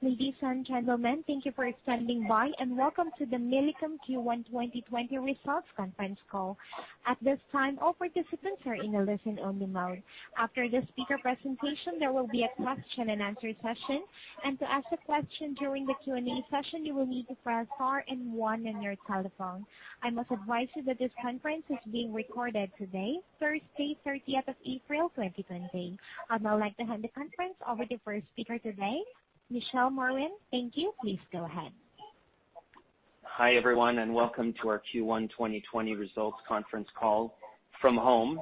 Ladies and gentlemen, thank you for standing by, and welcome to the Millicom Q1 2020 results conference call. At this time, all participants are in a listen-only mode. After the speaker presentation, there will be a question-and-answer session, and to ask a question during the Q&A session, you will need to press star and one on your telephone. I must advise you that this conference is being recorded today, Thursday, 30th of April, 2020. I'd now like to hand the conference over to the first speaker today, Michel Maurin. Thank you. Please go ahead. Hi everyone, and welcome to our Q1 2020 results conference call from home.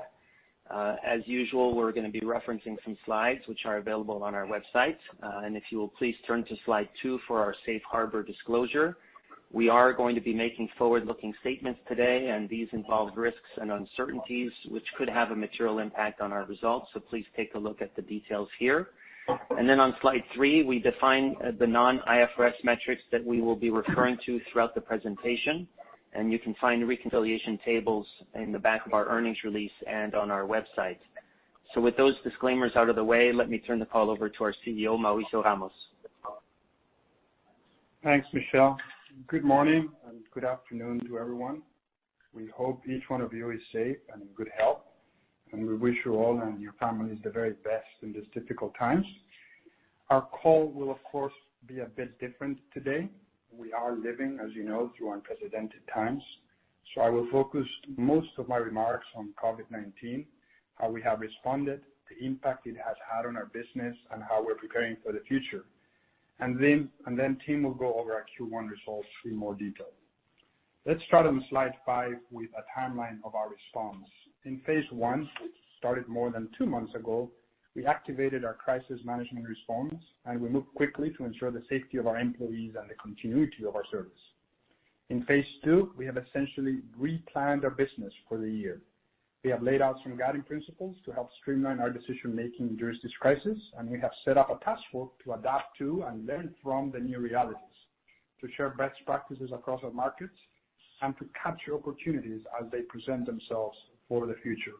As usual, we're going to be referencing some slides which are available on our website, and if you will please turn to slide two for our safe harbor disclosure. We are going to be making forward-looking statements today, and these involve risks and uncertainties which could have a material impact on our results, so please take a look at the details here. On slide three, we define the non-IFRS metrics that we will be referring to throughout the presentation, and you can find reconciliation tables in the back of our earnings release and on our website. With those disclaimers out of the way, let me turn the call over to our CEO, Mauricio Ramos. Thanks, Michel. Good morning and good afternoon to everyone. We hope each one of you is safe and in good health, and we wish you all and your families the very best in these difficult times. Our call will, of course, be a bit different today. We are living, as you know, through unprecedented times, so I will focus most of my remarks on COVID-19, how we have responded, the impact it has had on our business, and how we're preparing for the future. Tim will go over our Q1 results in more detail. Let's start on slide five with a timeline of our response. In phase one, which started more than two months ago, we activated our crisis management response, and we moved quickly to ensure the safety of our employees and the continuity of our service. In phase two, we have essentially replanned our business for the year. We have laid out some guiding principles to help streamline our decision-making during this crisis, and we have set up a task force to adapt to and learn from the new realities, to share best practices across our markets, and to capture opportunities as they present themselves for the future.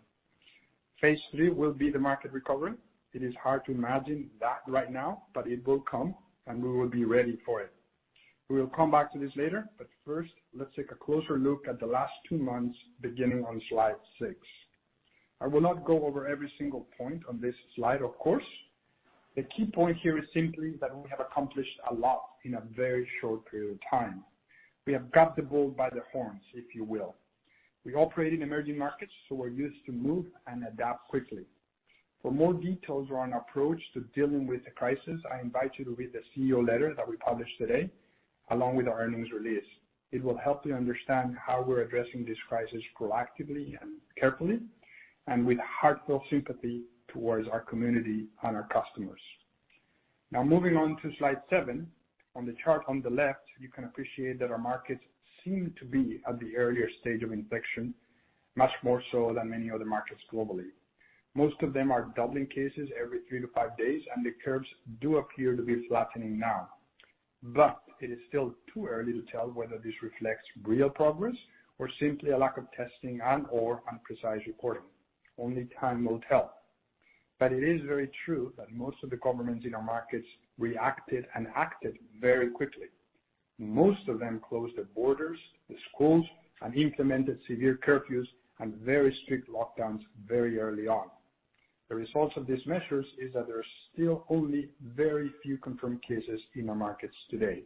Phase three will be the market recovery. It is hard to imagine that right now, but it will come, and we will be ready for it. We will come back to this later, but first, let's take a closer look at the last two months beginning on slide six. I will not go over every single point on this slide, of course. The key point here is simply that we have accomplished a lot in a very short period of time. We have got the bull by the horns, if you will. We operate in emerging markets, so we're used to move and adapt quickly. For more details on our approach to dealing with the crisis, I invite you to read the CEO letter that we published today, along with our earnings release. It will help you understand how we're addressing this crisis proactively and carefully, and with heartfelt sympathy towards our community and our customers. Now, moving on to slide seven, on the chart on the left, you can appreciate that our markets seem to be at the earlier stage of infection, much more so than many other markets globally. Most of them are doubling cases every three to five days, and the curves do appear to be flattening now. It is still too early to tell whether this reflects real progress or simply a lack of testing and/or unprecise reporting. Only time will tell. It is very true that most of the governments in our markets reacted and acted very quickly. Most of them closed their borders, the schools, and implemented severe curfews and very strict lockdowns very early on. The result of these measures is that there are still only very few confirmed cases in our markets today.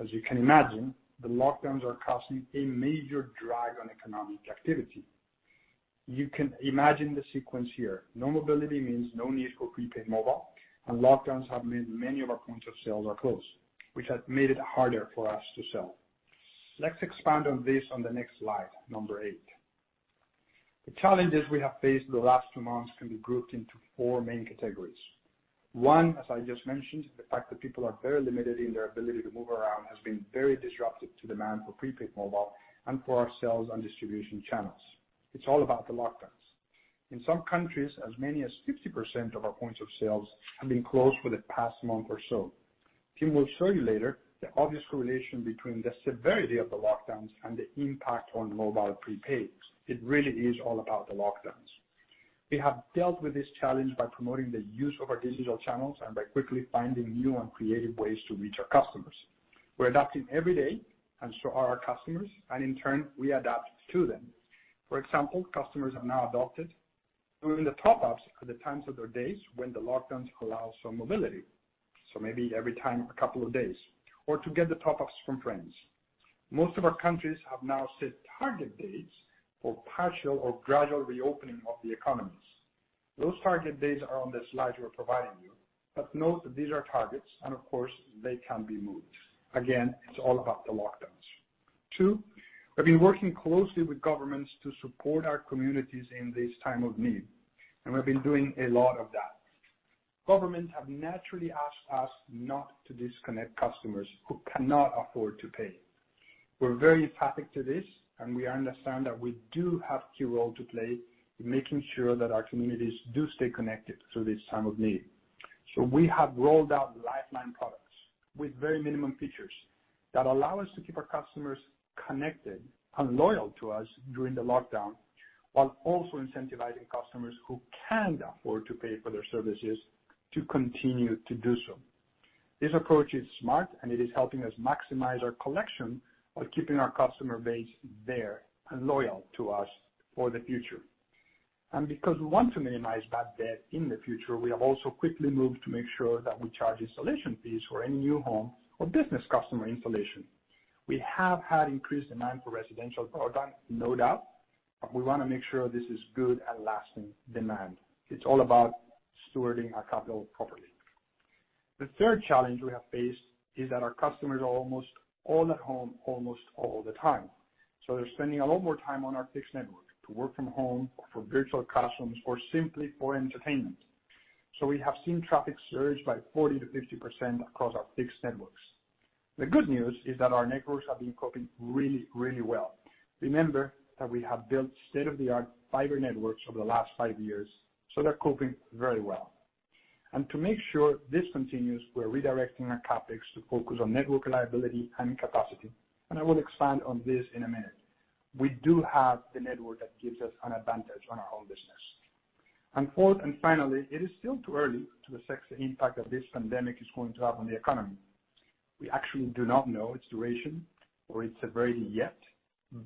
As you can imagine, the lockdowns are causing a major drag on economic activity. You can imagine the sequence here. No mobility means no need for prepaid mobile, and lockdowns have made many of our points of sale closed, which has made it harder for us to sell. Let's expand on this on the next slide, number eight. The challenges we have faced in the last two months can be grouped into four main categories. One, as I just mentioned, the fact that people are very limited in their ability to move around has been very disruptive to demand for prepaid mobile and for our sales and distribution channels. It's all about the lockdowns. In some countries, as many as 50% of our points of sales have been closed for the past month or so. Tim will show you later the obvious correlation between the severity of the lockdowns and the impact on mobile prepaid. It really is all about the lockdowns. We have dealt with this challenge by promoting the use of our digital channels and by quickly finding new and creative ways to reach our customers. We're adapting every day, and so are our customers, and in turn, we adapt to them. For example, customers have now adopted doing the top-ups at the times of their days when the lockdowns allow some mobility, so maybe every time a couple of days, or to get the top-ups from friends. Most of our countries have now set target dates for partial or gradual reopening of the economies. Those target dates are on the slide we are providing you, but note that these are targets, and of course, they can be moved. Again, it is all about the lockdowns. Two, we have been working closely with governments to support our communities in this time of need, and we have been doing a lot of that. Governments have naturally asked us not to disconnect customers who cannot afford to pay. We're very empathic to this, and we understand that we do have a key role to play in making sure that our communities do stay connected through this time of need. We have rolled out lifeline products with very minimum features that allow us to keep our customers connected and loyal to us during the lockdown, while also incentivizing customers who can't afford to pay for their services to continue to do so. This approach is smart, and it is helping us maximize our collection while keeping our customer base there and loyal to us for the future. Because we want to minimize bad debt in the future, we have also quickly moved to make sure that we charge installation fees for any new home or business customer installation. We have had increased demand for residential products, no doubt, but we want to make sure this is good and lasting demand. It's all about stewarding our capital properly. The third challenge we have faced is that our customers are almost all at home almost all the time. They're spending a lot more time on our fixed network to work from home or for virtual classrooms or simply for entertainment. We have seen traffic surge by 40-50% across our fixed networks. The good news is that our networks have been coping really, really well. Remember that we have built state-of-the-art fiber networks over the last five years, so they're coping very well. To make sure this continues, we're redirecting our CAPEX to focus on network reliability and capacity, and I will expand on this in a minute. We do have the network that gives us an advantage on our own business. Fourth and finally, it is still too early to assess the impact that this pandemic is going to have on the economy. We actually do not know its duration or its severity yet,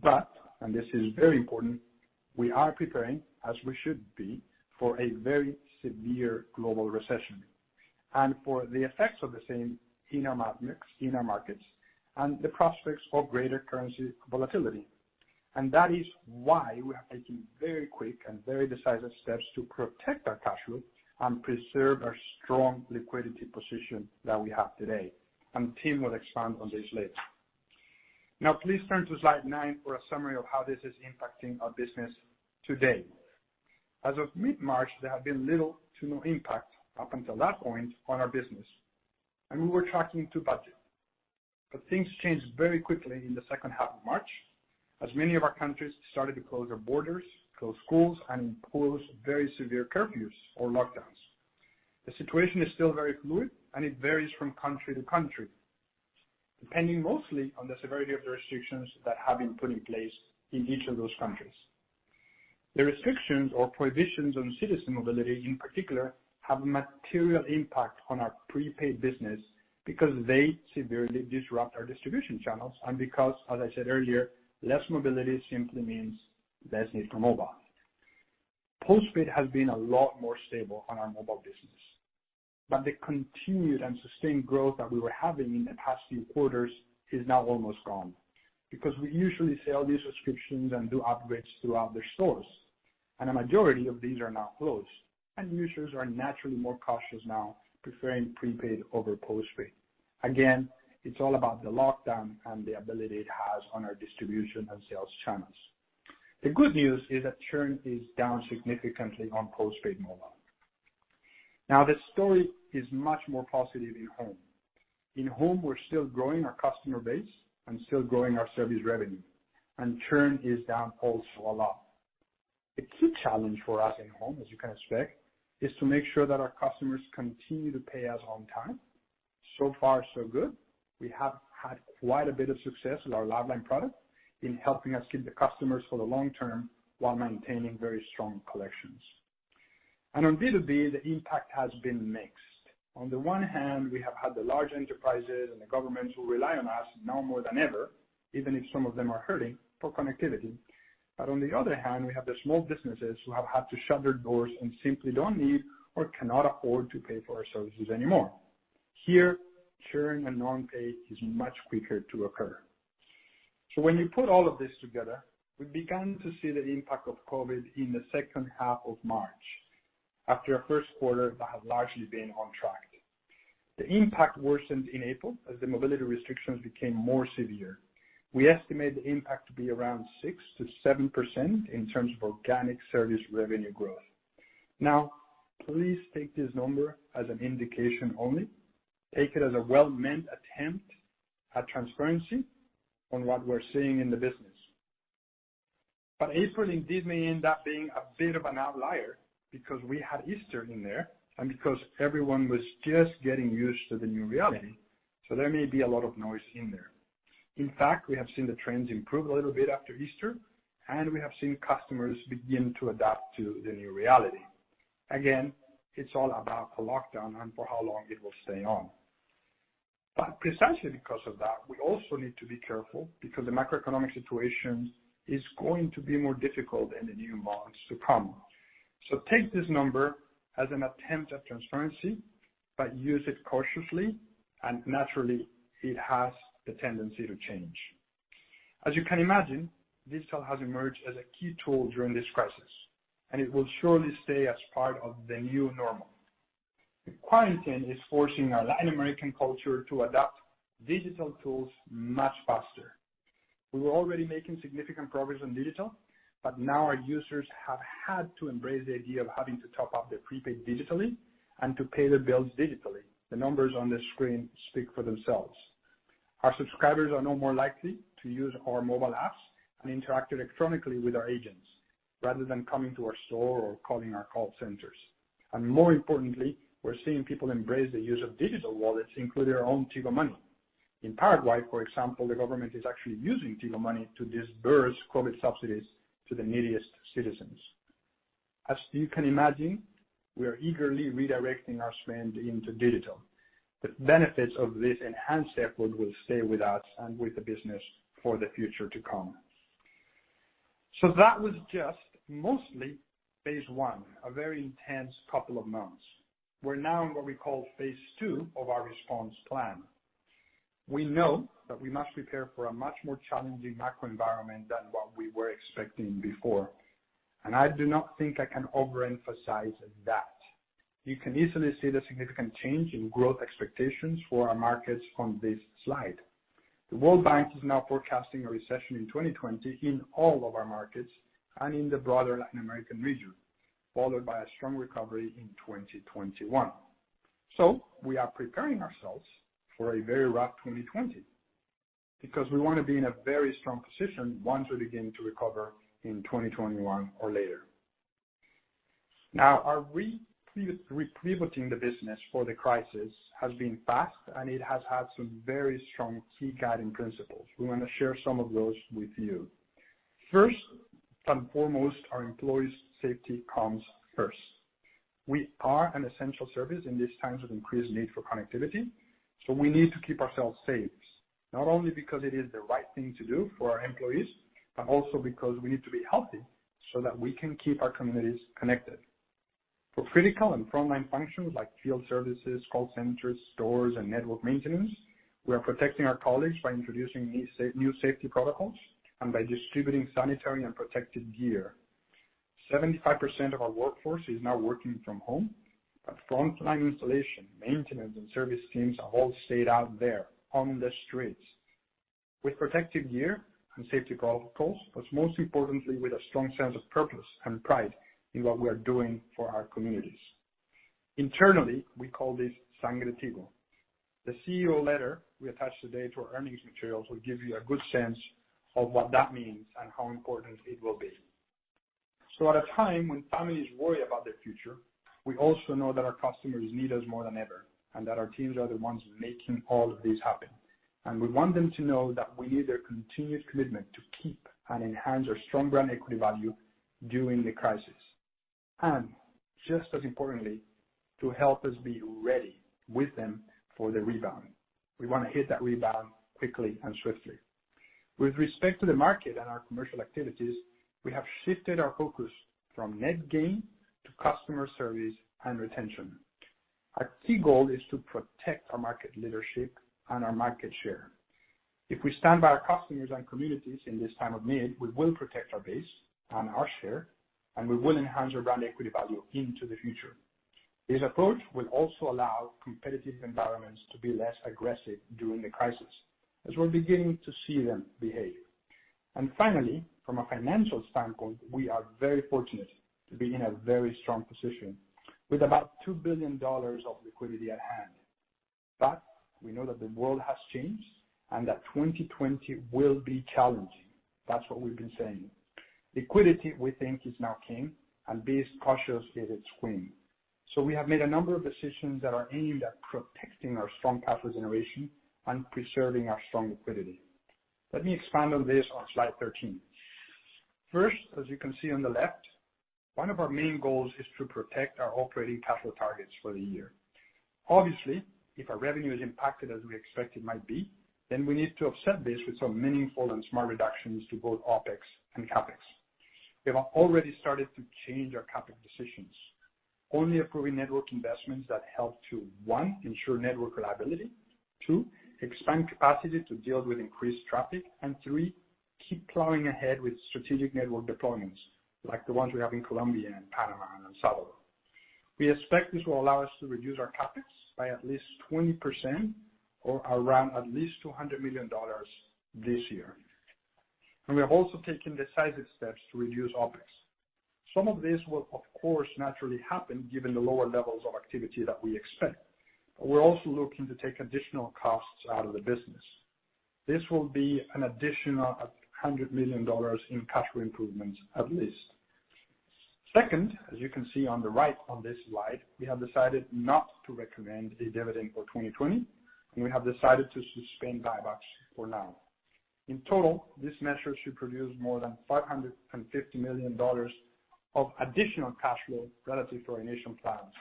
but, and this is very important, we are preparing, as we should be, for a very severe global recession and for the effects of the same in our markets and the prospects of greater currency volatility. That is why we are taking very quick and very decisive steps to protect our cash flow and preserve our strong liquidity position that we have today. Tim will expand on this later. Now, please turn to slide nine for a summary of how this is impacting our business today. As of mid-March, there had been little to no impact up until that point on our business, and we were tracking to budget. Things changed very quickly in the second half of March as many of our countries started to close their borders, close schools, and impose very severe curfews or lockdowns. The situation is still very fluid, and it varies from country to country, depending mostly on the severity of the restrictions that have been put in place in each of those countries. The restrictions or prohibitions on citizen mobility, in particular, have a material impact on our prepaid business because they severely disrupt our distribution channels, and because, as I said earlier, less mobility simply means less need for mobile. Postpaid has been a lot more stable on our mobile business, but the continued and sustained growth that we were having in the past few quarters is now almost gone because we usually sell these subscriptions and do upgrades throughout their stores, and a majority of these are now closed, and users are naturally more cautious now, preferring prepaid over postpaid. Again, it is all about the lockdown and the ability it has on our distribution and sales channels. The good news is that churn is down significantly on postpaid mobile. Now, the story is much more positive in home. In home, we are still growing our customer base and still growing our service revenue, and churn is down also a lot. The key challenge for us in home, as you can expect, is to make sure that our customers continue to pay us on time. So far, so good. We have had quite a bit of success with our lifeline product in helping us keep the customers for the long term while maintaining very strong collections. On B2B, the impact has been mixed. On the one hand, we have had the large enterprises and the governments who rely on us now more than ever, even if some of them are hurting, for connectivity. On the other hand, we have the small businesses who have had to shut their doors and simply do not need or cannot afford to pay for our services anymore. Here, churn and non-pay is much quicker to occur. When you put all of this together, we began to see the impact of COVID in the second half of March after a first quarter that had largely been on track. The impact worsened in April as the mobility restrictions became more severe. We estimate the impact to be around 6-7% in terms of organic service revenue growth. Now, please take this number as an indication only. Take it as a well-meant attempt at transparency on what we're seeing in the business. April indeed may end up being a bit of an outlier because we had Easter in there and because everyone was just getting used to the new reality, so there may be a lot of noise in there. In fact, we have seen the trends improve a little bit after Easter, and we have seen customers begin to adapt to the new reality. Again, it's all about the lockdown and for how long it will stay on. Precisely because of that, we also need to be careful because the macroeconomic situation is going to be more difficult in the new months to come. Take this number as an attempt at transparency, but use it cautiously, and naturally, it has the tendency to change. As you can imagine, digital has emerged as a key tool during this crisis, and it will surely stay as part of the new normal. The quarantine is forcing our Latin American culture to adapt digital tools much faster. We were already making significant progress on digital, but now our users have had to embrace the idea of having to top up their prepaid digitally and to pay their bills digitally. The numbers on the screen speak for themselves. Our subscribers are now more likely to use our mobile apps and interact electronically with our agents rather than coming to our store or calling our call centers. More importantly, we are seeing people embrace the use of digital wallets, including our own Tigo Money. In Paraguay, for example, the government is actually using Tigo Money to disburse COVID subsidies to the neediest citizens. As you can imagine, we are eagerly redirecting our spend into digital. The benefits of this enhanced effort will stay with us and with the business for the future to come. That was just mostly phase one, a very intense couple of months. We are now in what we call phase two of our response plan. We know that we must prepare for a much more challenging macro environment than what we were expecting before, and I do not think I can overemphasize that. You can easily see the significant change in growth expectations for our markets on this slide. The World Bank is now forecasting a recession in 2020 in all of our markets and in the broader Latin American region, followed by a strong recovery in 2021. We are preparing ourselves for a very rough 2020 because we want to be in a very strong position once we begin to recover in 2021 or later. Now, our reprivating the business for the crisis has been fast, and it has had some very strong key guiding principles. We want to share some of those with you. First and foremost, our employees' safety comes first. We are an essential service in these times of increased need for connectivity, so we need to keep ourselves safe, not only because it is the right thing to do for our employees, but also because we need to be healthy so that we can keep our communities connected. For critical and frontline functions like field services, call centers, stores, and network maintenance, we are protecting our colleagues by introducing new safety protocols and by distributing sanitary and protective gear. 75% of our workforce is now working from home, but frontline installation, maintenance, and service teams have all stayed out there on the streets with protective gear and safety protocols, but most importantly, with a strong sense of purpose and pride in what we are doing for our communities. Internally, we call this Sangre Tigo. The CEO letter we attach today to our earnings materials will give you a good sense of what that means and how important it will be. At a time when families worry about their future, we also know that our customers need us more than ever and that our teams are the ones making all of this happen. We want them to know that we need their continued commitment to keep and enhance our strong brand equity value during the crisis. Just as importantly, to help us be ready with them for the rebound. We want to hit that rebound quickly and swiftly. With respect to the market and our commercial activities, we have shifted our focus from net gain to customer service and retention. Our key goal is to protect our market leadership and our market share. If we stand by our customers and communities in this time of need, we will protect our base and our share, and we will enhance our brand equity value into the future. This approach will also allow competitive environments to be less aggressive during the crisis as we are beginning to see them behave. Finally, from a financial standpoint, we are very fortunate to be in a very strong position with about $2 billion of liquidity at hand. We know that the world has changed and that 2020 will be challenging. That's what we've been saying. Liquidity, we think, is now king, and being as cautious is its queen. We have made a number of decisions that are aimed at protecting our strong cash flow generation and preserving our strong liquidity. Let me expand on this on slide 13. First, as you can see on the left, one of our main goals is to protect our operating cash flow targets for the year. Obviously, if our revenue is impacted as we expect it might be, then we need to offset this with some meaningful and smart reductions to both OPEX and CAPEX. We have already started to change our CAPEX decisions, only approving network investments that help to, one, ensure network reliability, two, expand capacity to deal with increased traffic, and three, keep plowing ahead with strategic network deployments like the ones we have in Colombia and Panama and El Salvador. We expect this will allow us to reduce our CAPEX by at least 20% or around at least $200 million this year. We have also taken decisive steps to reduce OPEX. Some of this will, of course, naturally happen given the lower levels of activity that we expect, but we're also looking to take additional costs out of the business. This will be an additional $100 million in cash flow improvements at least. Second, as you can see on the right on this slide, we have decided not to recommend a dividend for 2020, and we have decided to suspend buybacks for now. In total, this measure should produce more than $550 million of additional cash flow relative to our initial plans,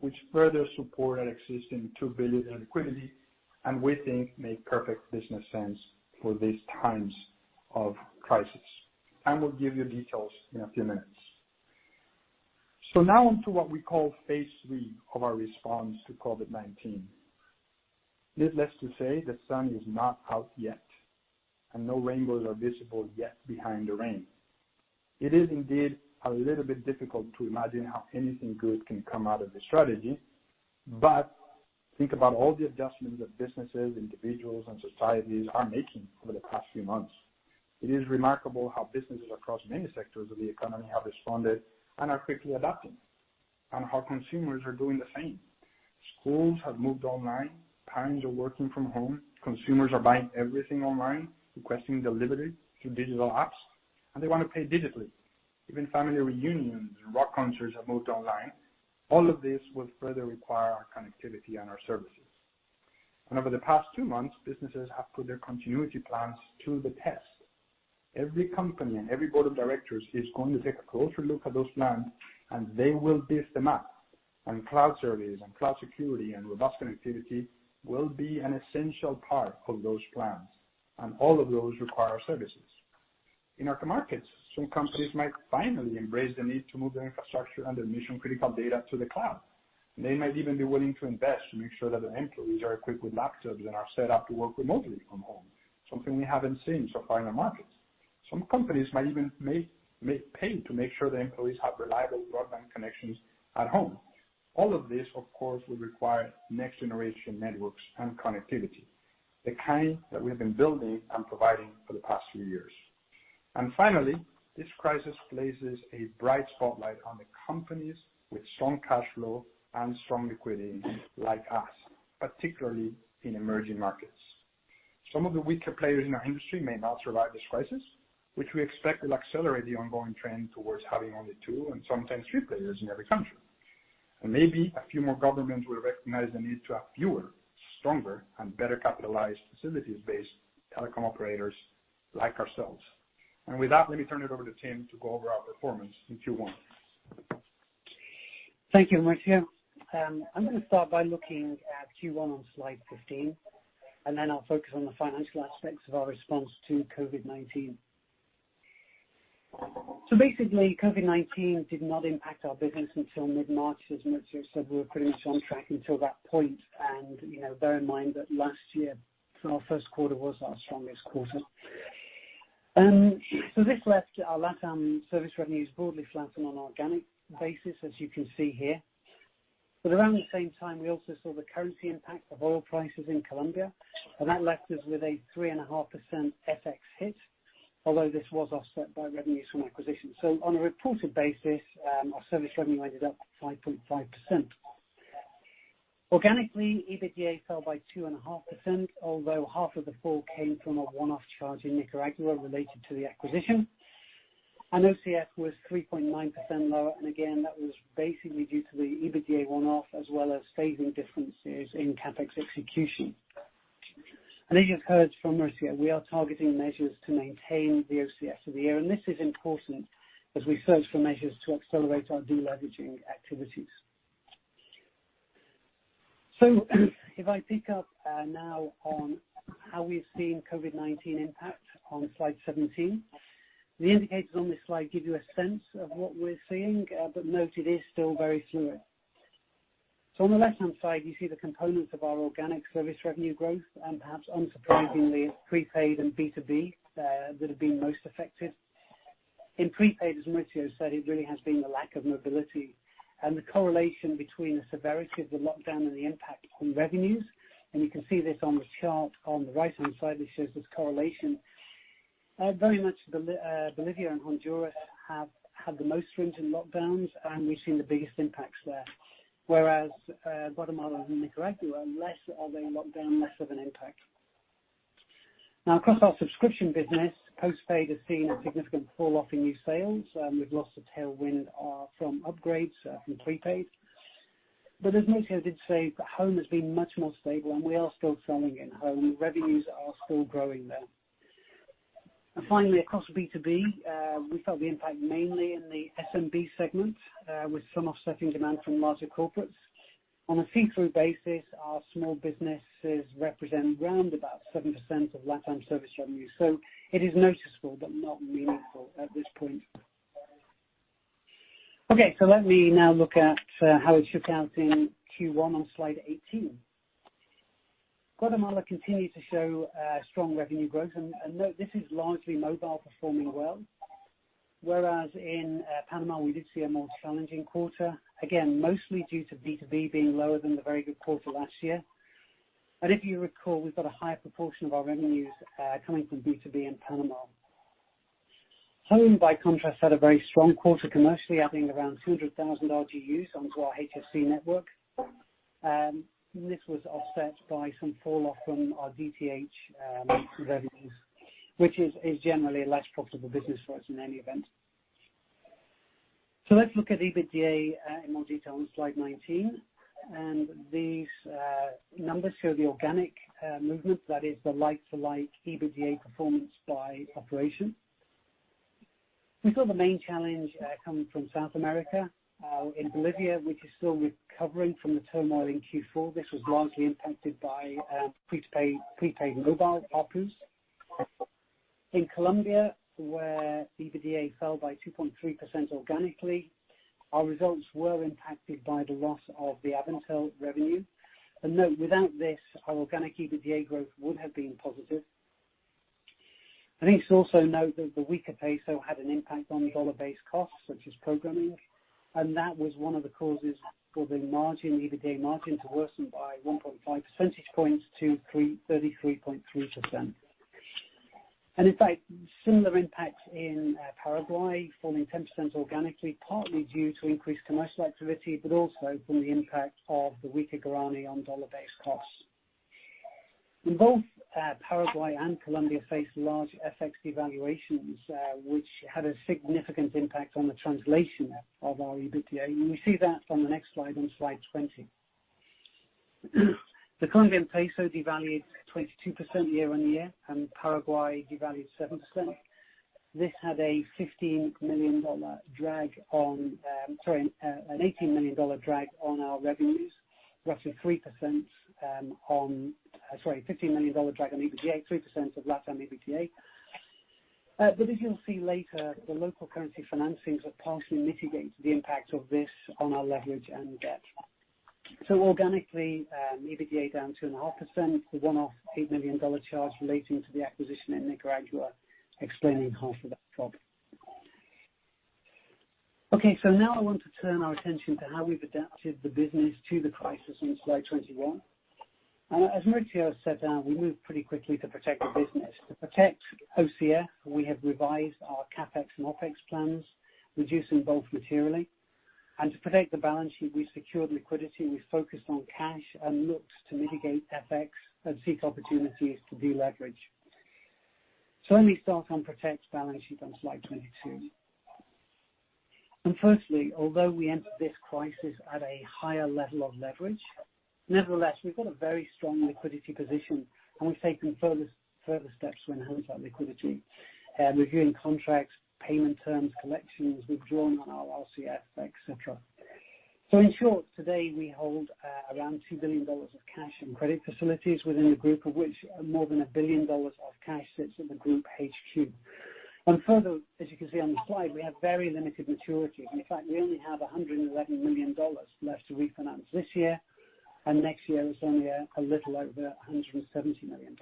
which further support our existing $2 billion in liquidity and we think make perfect business sense for these times of crisis. We will give you details in a few minutes. Now on to what we call phase three of our response to COVID-19. Needless to say, the sun is not out yet, and no rainbows are visible yet behind the rain. It is indeed a little bit difficult to imagine how anything good can come out of this strategy, but think about all the adjustments that businesses, individuals, and societies are making over the past few months. It is remarkable how businesses across many sectors of the economy have responded and are quickly adapting, and how consumers are doing the same. Schools have moved online, parents are working from home, consumers are buying everything online, requesting delivery through digital apps, and they want to pay digitally. Even family reunions and rock concerts have moved online. All of this will further require our connectivity and our services. Over the past two months, businesses have put their continuity plans to the test. Every company and every board of directors is going to take a closer look at those plans, and they will beat them up. Cloud service and cloud security and robust connectivity will be an essential part of those plans, and all of those require our services. In our markets, some companies might finally embrace the need to move their infrastructure and their mission-critical data to the cloud. They might even be willing to invest to make sure that their employees are equipped with laptops and are set up to work remotely from home, something we have not seen so far in the markets. Some companies might even pay to make sure their employees have reliable broadband connections at home. All of this, of course, will require next-generation networks and connectivity, the kind that we have been building and providing for the past few years. This crisis places a bright spotlight on the companies with strong cash flow and strong liquidity like us, particularly in emerging markets. Some of the weaker players in our industry may not survive this crisis, which we expect will accelerate the ongoing trend towards having only two and sometimes three players in every country. Maybe a few more governments will recognize the need to have fewer, stronger, and better capitalized facilities-based telecom operators like ourselves. With that, let me turn it over to Tim to go over our performance in Q1. Thank you, Mauricio. I'm going to start by looking at Q1 on slide 15, and then I'll focus on the financial aspects of our response to COVID-19. Basically, COVID-19 did not impact our business until mid-March, as Mauricio said. We were pretty much on track until that point. Bear in mind that last year, our first quarter was our strongest quarter. This left our LATAM service revenues broadly flat on an organic basis, as you can see here. Around the same time, we also saw the currency impact of oil prices in Colombia, and that left us with a 3.5% FX hit, although this was offset by revenues from acquisitions. On a reported basis, our service revenue ended up at 5.5%. Organically, EBITDA fell by 2.5%, although half of the fall came from a one-off charge in Nicaragua related to the acquisition. OCF was 3.9% lower. That was basically due to the EBITDA one-off as well as phasing differences in CAPEX execution. As you have heard from Mauricio, we are targeting measures to maintain the OCF for the year. This is important as we search for measures to accelerate our deleveraging activities. If I pick up now on how we've seen COVID-19 impact on slide 17, the indicators on this slide give you a sense of what we're seeing, but note it is still very fluid. On the left-hand side, you see the components of our organic service revenue growth, and perhaps unsurprisingly, it's prepaid and B2B that have been most affected. In prepaid, as Mauricio said, it really has been the lack of mobility and the correlation between the severity of the lockdown and the impact on revenues. You can see this on the chart on the right-hand side. This shows this correlation. Very much Bolivia and Honduras have had the most stringent lockdowns, and we've seen the biggest impacts there, whereas Guatemala and Nicaragua are less of a lockdown, less of an impact. Now, across our subscription business, postpaid has seen a significant fall off in new sales, and we've lost a tailwind from upgrades from prepaid. As Mauricio did say, home has been much more stable, and we are still selling in home. Revenues are still growing there. Finally, across B2B, we felt the impact mainly in the SMB segment with some offsetting demand from larger corporates. On a see-through basis, our small businesses represent round about 7% of LATAM service revenue. It is noticeable but not meaningful at this point. Okay, let me now look at how it shook out in Q1 on slide 18. Guatemala continued to show strong revenue growth. Note, this is largely mobile performing well, whereas in Panama, we did see a more challenging quarter, again, mostly due to B2B being lower than the very good quarter last year. If you recall, we've got a higher proportion of our revenues coming from B2B in Panama. Home, by contrast, had a very strong quarter commercially, adding around 200,000 to use onto our HFC network. This was offset by some falloff from our DTH revenues, which is generally a less profitable business for us in any event. Let's look at EBITDA in more detail on slide 19. These numbers show the organic movement, that is the like-for-like EBITDA performance by operation. We saw the main challenge coming from South America in Bolivia, which is still recovering from the turmoil in Q4. This was largely impacted by prepaid mobile offers. In Colombia, where EBITDA fell by 2.3% organically, our results were impacted by the loss of the Avantel revenue. Note, without this, our organic EBITDA growth would have been positive. I think it's also note that the weaker peso had an impact on dollar-based costs, such as programming. That was one of the causes for the margin, EBITDA margin, to worsen by 1.5 percentage points to 33.3%. In fact, similar impact in Paraguay, falling 10% organically, partly due to increased commercial activity, but also from the impact of the weaker guarani on dollar-based costs. Both Paraguay and Colombia faced large FX devaluations, which had a significant impact on the translation of our EBITDA. We see that on the next slide on slide 20. The Colombian peso devalued 22% year on year, and Paraguay devalued 7%. This had a $15 million drag on, sorry, an $18 million drag on our revenues, roughly 3% on, sorry, $15 million drag on EBITDA, 3% of LATAM EBITDA. As you'll see later, the local currency financings have partially mitigated the impact of this on our leverage and debt. Organically, EBITDA down 2.5%, the one-off $8 million charge relating to the acquisition in Nicaragua explaining half of that problem. Okay, now I want to turn our attention to how we've adapted the business to the crisis on slide 21. As Mauricio said, we moved pretty quickly to protect the business. To protect OCF, we have revised our CAPEX and OPEX plans, reducing both materially. To protect the balance sheet, we secured liquidity. We focused on cash and looked to mitigate FX and seek opportunities to deleverage. Let me start on protect balance sheet on slide 22. Firstly, although we entered this crisis at a higher level of leverage, nevertheless, we've got a very strong liquidity position, and we've taken further steps to enhance our liquidity, reviewing contracts, payment terms, collections, withdrawing on our OCF, etc. In short, today we hold around $2 billion of cash and credit facilities within the group, of which more than $1 billion of cash sits in the group HQ. Further, as you can see on the slide, we have very limited maturities. In fact, we only have $111 million left to refinance this year, and next year it's only a little over $170 million.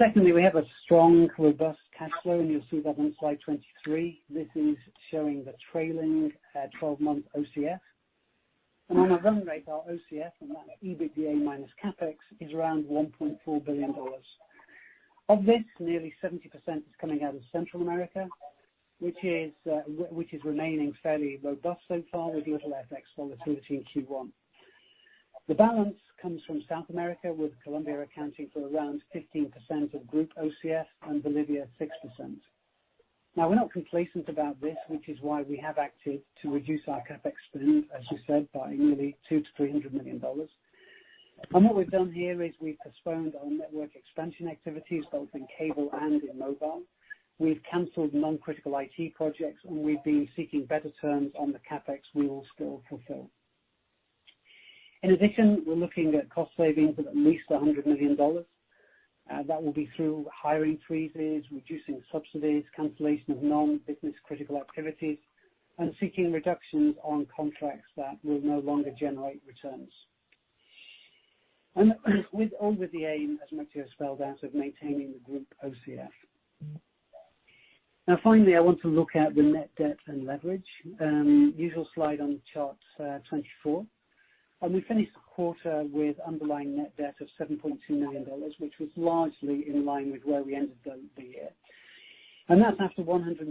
Secondly, we have a strong, robust cash flow, and you'll see that on slide 23. This is showing the trailing 12-month OCF. On a run rate, our OCF, and that's EBITDA minus CAPEX, is around $1.4 billion. Of this, nearly 70% is coming out of Central America, which is remaining fairly robust so far with little FX volatility in Q1. The balance comes from South America, with Colombia accounting for around 15% of group OCF and Bolivia, 6%. Now, we're not complacent about this, which is why we have acted to reduce our CAPEX spend, as you said, by nearly $200-$300 million. What we've done here is we've postponed our network expansion activities, both in cable and in mobile. We've canceled non-critical IT projects, and we've been seeking better terms on the CAPEX we will still fulfill. In addition, we're looking at cost savings of at least $100 million. That will be through hiring freezes, reducing subsidies, cancellation of non-business critical activities, and seeking reductions on contracts that will no longer generate returns. With all with the aim, as Mauricio spelled out, of maintaining the group OCF. Finally, I want to look at the net debt and leverage. Usual slide on chart 24. We finished the quarter with underlying net debt of $7.2 million, which was largely in line with where we ended the year. That is after $122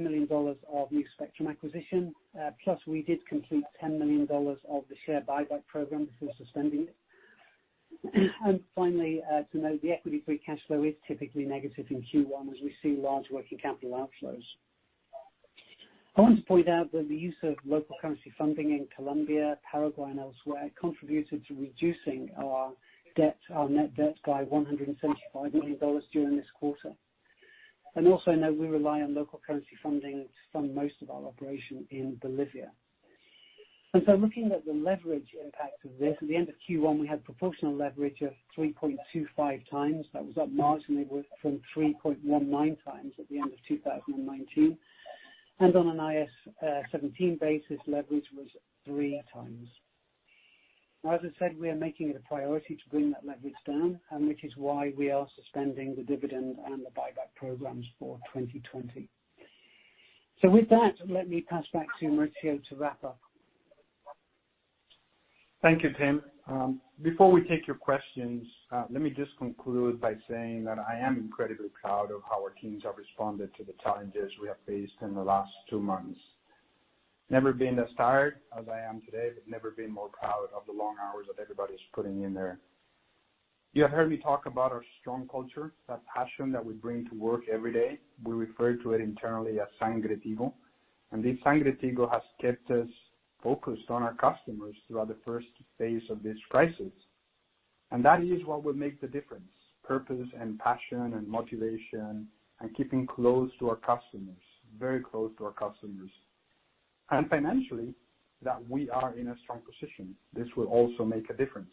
million of new spectrum acquisition, plus we did complete $10 million of the share buyback program before suspending it. Finally, to note, the equity-free cash flow is typically negative in Q1, as we see large working capital outflows. I want to point out that the use of local currency funding in Colombia, Paraguay, and elsewhere contributed to reducing our net debt by $175 million during this quarter. Also note we rely on local currency funding to fund most of our operation in Bolivia. Looking at the leverage impact of this, at the end of Q1, we had proportional leverage of 3.25 times. That was up marginally from 3.19 times at the end of 2019. On an IS17 basis, leverage was 3 times. As I said, we are making it a priority to bring that leverage down, which is why we are suspending the dividend and the buyback programs for 2020. With that, let me pass back to Mauricio to wrap up. Thank you, Tim. Before we take your questions, let me just conclude by saying that I am incredibly proud of how our teams have responded to the challenges we have faced in the last two months. Never been as tired as I am today, but never been more proud of the long hours that everybody's putting in there. You have heard me talk about our strong culture, that passion that we bring to work every day. We refer to it internally as Sangre Tigo. This Sangre Tigo has kept us focused on our customers throughout the first phase of this crisis. That is what will make the difference: purpose and passion and motivation and keeping close to our customers, very close to our customers. Financially, we are in a strong position. This will also make a difference.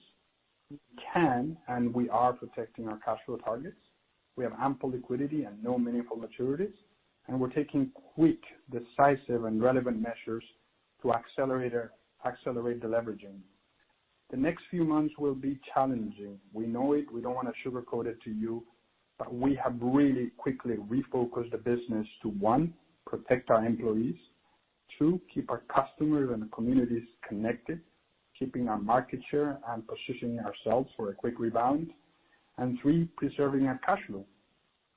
We can and we are protecting our cash flow targets. We have ample liquidity and no meaningful maturities, and we are taking quick, decisive, and relevant measures to accelerate the leveraging. The next few months will be challenging. We know it. We do not want to sugarcoat it to you, but we have really quickly refocused the business to, one, protect our employees; two, keep our customers and communities connected, keeping our market share and positioning ourselves for a quick rebound; and three, preserving our cash flow.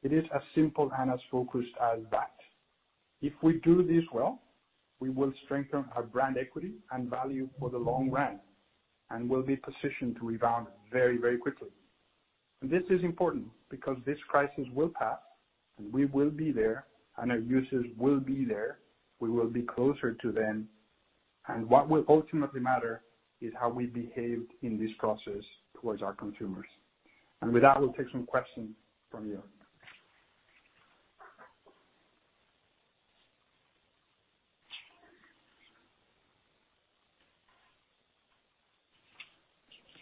It is as simple and as focused as that. If we do this well, we will strengthen our brand equity and value for the long run and will be positioned to rebound very, very quickly. This is important because this crisis will pass, and we will be there, and our users will be there. We will be closer to them. What will ultimately matter is how we behaved in this process towards our consumers. With that, we will take some questions from you.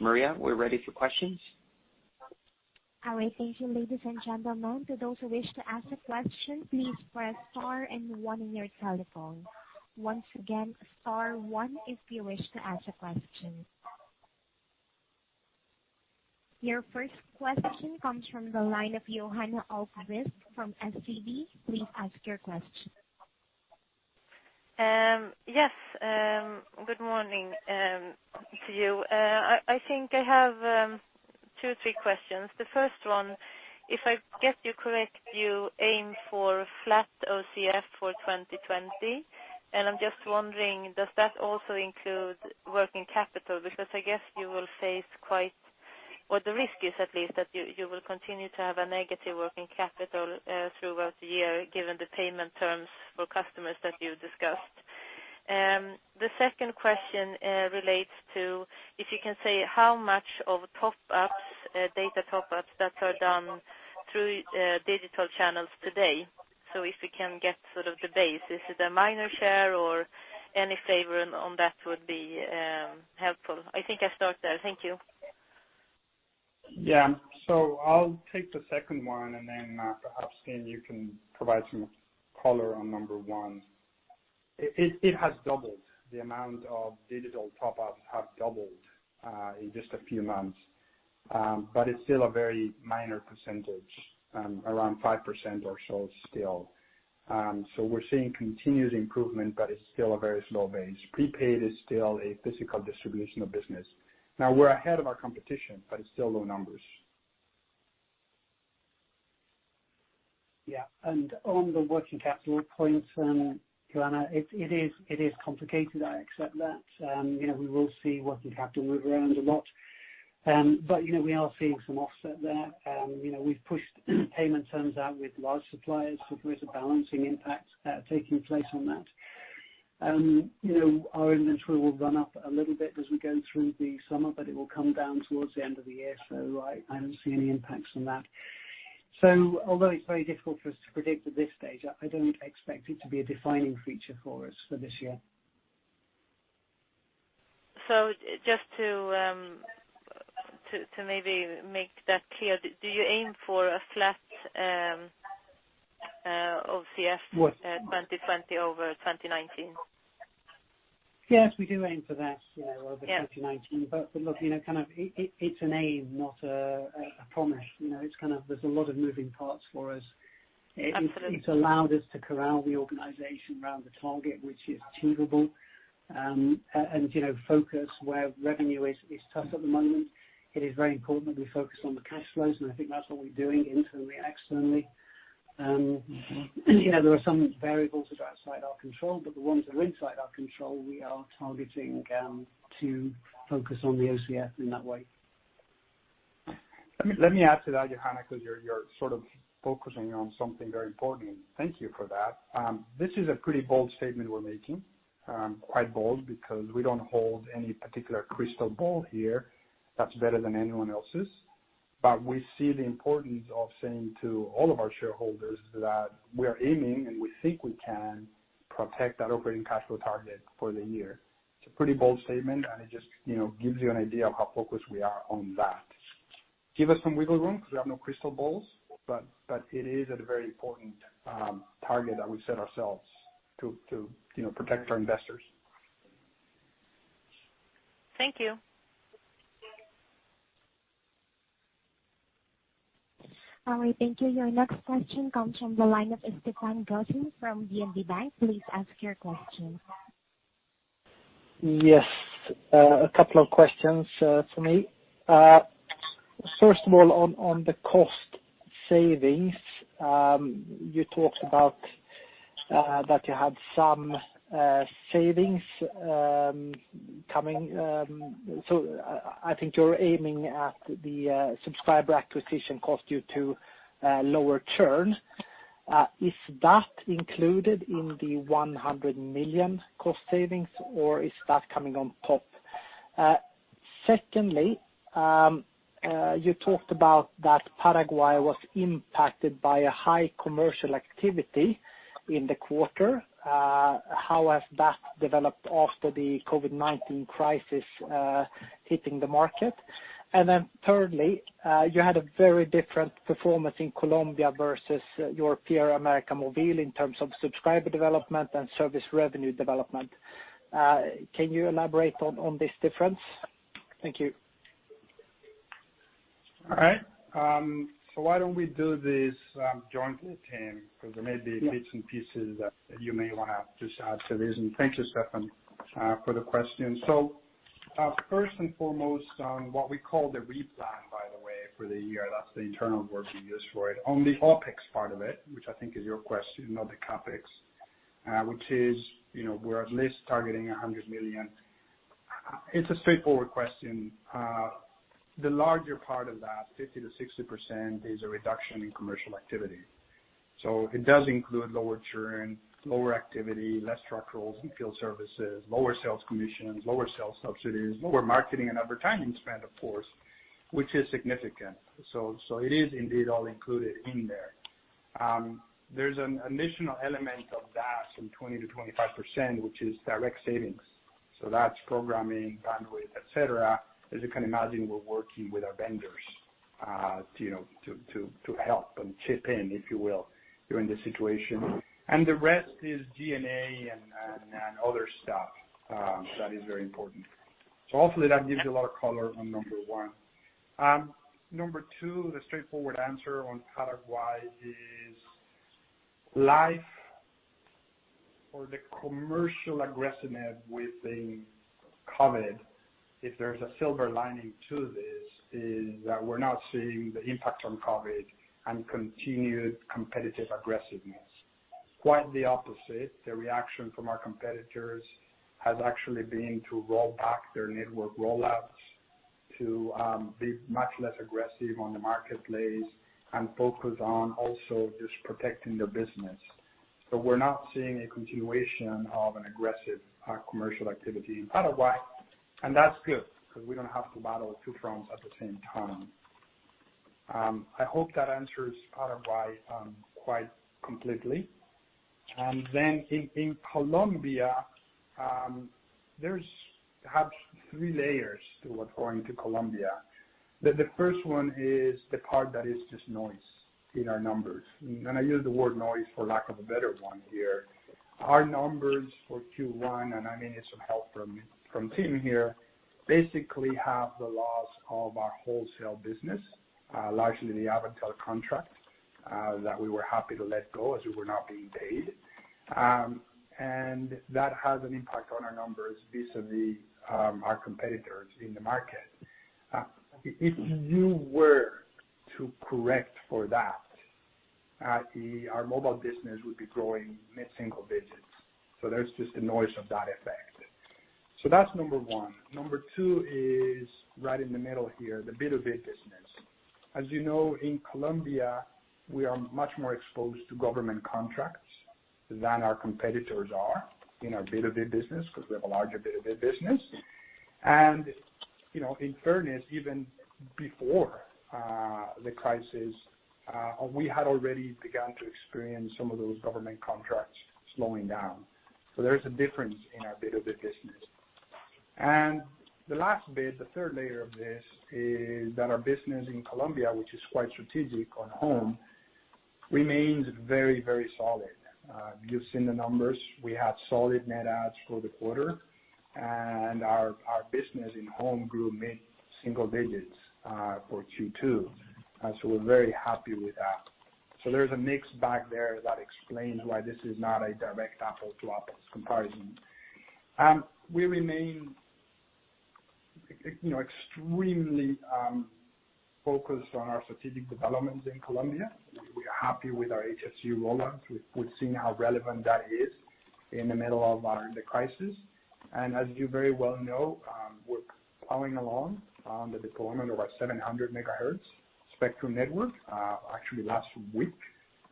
Maria, we are ready for questions. All right. Ladies and gentlemen, to those who wish to ask a question, please press star and one on your telephone. Once again, star one if you wish to ask a question. Your first question comes from the line of Johanna Albee from SCB. Please ask your question. Yes. Good morning to you. I think I have two or three questions. The first one, if I get you correct, you aim for flat OCF for 2020. And I'm just wondering, does that also include working capital? Because I guess you will face quite what the risk is, at least, that you will continue to have a negative working capital throughout the year given the payment terms for customers that you discussed. The second question relates to, if you can say, how much of data top-ups that are done through digital channels today? If we can get sort of the base, is it a minor share or any flavor on that would be helpful? I think I start there. Thank you. Yeah. I'll take the second one, and then perhaps you can provide some color on number one. It has doubled. The amount of digital top-ups have doubled in just a few months. It is still a very minor percentage, around 5% or so still. We are seeing continued improvement, but it is still a very slow base. Prepaid is still a physical distribution of business. We are ahead of our competition, but it is still low numbers. Yeah. On the working capital points, Johanna, it is complicated. I accept that. We will see working capital move around a lot. We are seeing some offset there. We've pushed payment terms out with large suppliers, so there is a balancing impact taking place on that. Our inventory will run up a little bit as we go through the summer, but it will come down towards the end of the year. I don't see any impacts on that. Although it's very difficult for us to predict at this stage, I don't expect it to be a defining feature for us for this year. Just to maybe make that clear, do you aim for a flat OCF 2020 over 2019? Yes, we do aim for that over 2019. Look, it's an aim, not a promise. There are a lot of moving parts for us. It's allowed us to corral the organization around the target, which is achievable, and focus where revenue is tough at the moment. It is very important that we focus on the cash flows, and I think that's what we're doing internally and externally. There are some variables that are outside our control, but the ones that are inside our control, we are targeting to focus on the OCF in that way. Let me add to that, Johanna, because you're sort of focusing on something very important. Thank you for that. This is a pretty bold statement we're making. Quite bold because we don't hold any particular crystal ball here that's better than anyone else's. We see the importance of saying to all of our shareholders that we are aiming and we think we can protect that operating cash flow target for the year. It's a pretty bold statement, and it just gives you an idea of how focused we are on that. Give us some wiggle room because we have no crystal balls, but it is a very important target that we set ourselves to protect our investors. Thank you. All right. Thank you. Your next question comes from the line ofStefan Duhonj from DNB Bank. Please ask your question. Yes. A couple of questions for me. First of all, on the cost savings, you talked about that you had some savings coming. I think you're aiming at the subscriber acquisition cost due to lower churn. Is that included in the $100 million cost savings, or is that coming on top? Secondly, you talked about that Paraguay was impacted by a high commercial activity in the quarter. How has that developed after the COVID-19 crisis hitting the market? Thirdly, you had a very different performance in Colombia versus your peer, América Móvil, in terms of subscriber development and service revenue development. Can you elaborate on this difference? Thank you. All right. Why do we not do this jointly, Tim, because there may be bits and pieces that you may want to just add to this. Thank you, Stefan, for the question. First and foremost, on what we call the replant, by the way, for the year, that is the internal word we use for it, on the OPEX part of it, which I think is your question, not the CAPEX, which is we are at least targeting $100 million. It is a straightforward question. The larger part of that, 50%-60%, is a reduction in commercial activity. It does include lower churn, lower activity, less truck rolls and field services, lower sales commissions, lower sales subsidies, lower marketing and advertising spend, of course, which is significant. It is indeed all included in there. There's an additional element of that, some 20%-25%, which is direct savings. That's programming, bandwidth, et cetera. As you can imagine, we're working with our vendors to help and chip in, if you will, during this situation. The rest is G&A and other stuff that is very important. Hopefully that gives you a lot of color on number one. Number two, the straightforward answer on Paraguay is life or the commercial aggressiveness within COVID, if there's a silver lining to this, is that we're not seeing the impact on COVID and continued competitive aggressiveness. Quite the opposite. The reaction from our competitors has actually been to roll back their network rollouts, to be much less aggressive on the marketplace, and focus on also just protecting their business. We are not seeing a continuation of an aggressive commercial activity in Paraguay. That is good because we do not have to battle two fronts at the same time. I hope that answers Paraguay quite completely. In Colombia, there are perhaps three layers to what is going on in Colombia. The first one is the part that is just noise in our numbers. I use the word noise for lack of a better one here. Our numbers for Q1, and I mean this from help from Tim here, basically have the loss of our wholesale business, largely the Avantel contract that we were happy to let go as we were not being paid. That has an impact on our numbers vis-à-vis our competitors in the market. If you were to correct for that, our mobile business would be growing mid-single digits. There is just the noise of that effect. That is number one. Number two is right in the middle here, the B2B business. As you know, in Colombia, we are much more exposed to government contracts than our competitors are in our B2B business because we have a larger B2B business. In fairness, even before the crisis, we had already begun to experience some of those government contracts slowing down. There is a difference in our B2B business. The last bit, the third layer of this, is that our business in Colombia, which is quite strategic on home, remains very, very solid. You have seen the numbers. We had solid net adds for the quarter, and our business in home grew mid-single digits for Q2. We are very happy with that. There is a mix back there that explains why this is not a direct apples-to-apples comparison. We remain extremely focused on our strategic developments in Colombia. We are happy with our HSU rollouts. We have seen how relevant that is in the middle of the crisis. As you very well know, we are plowing along on the deployment of our 700 MHz spectrum network. Actually, last week,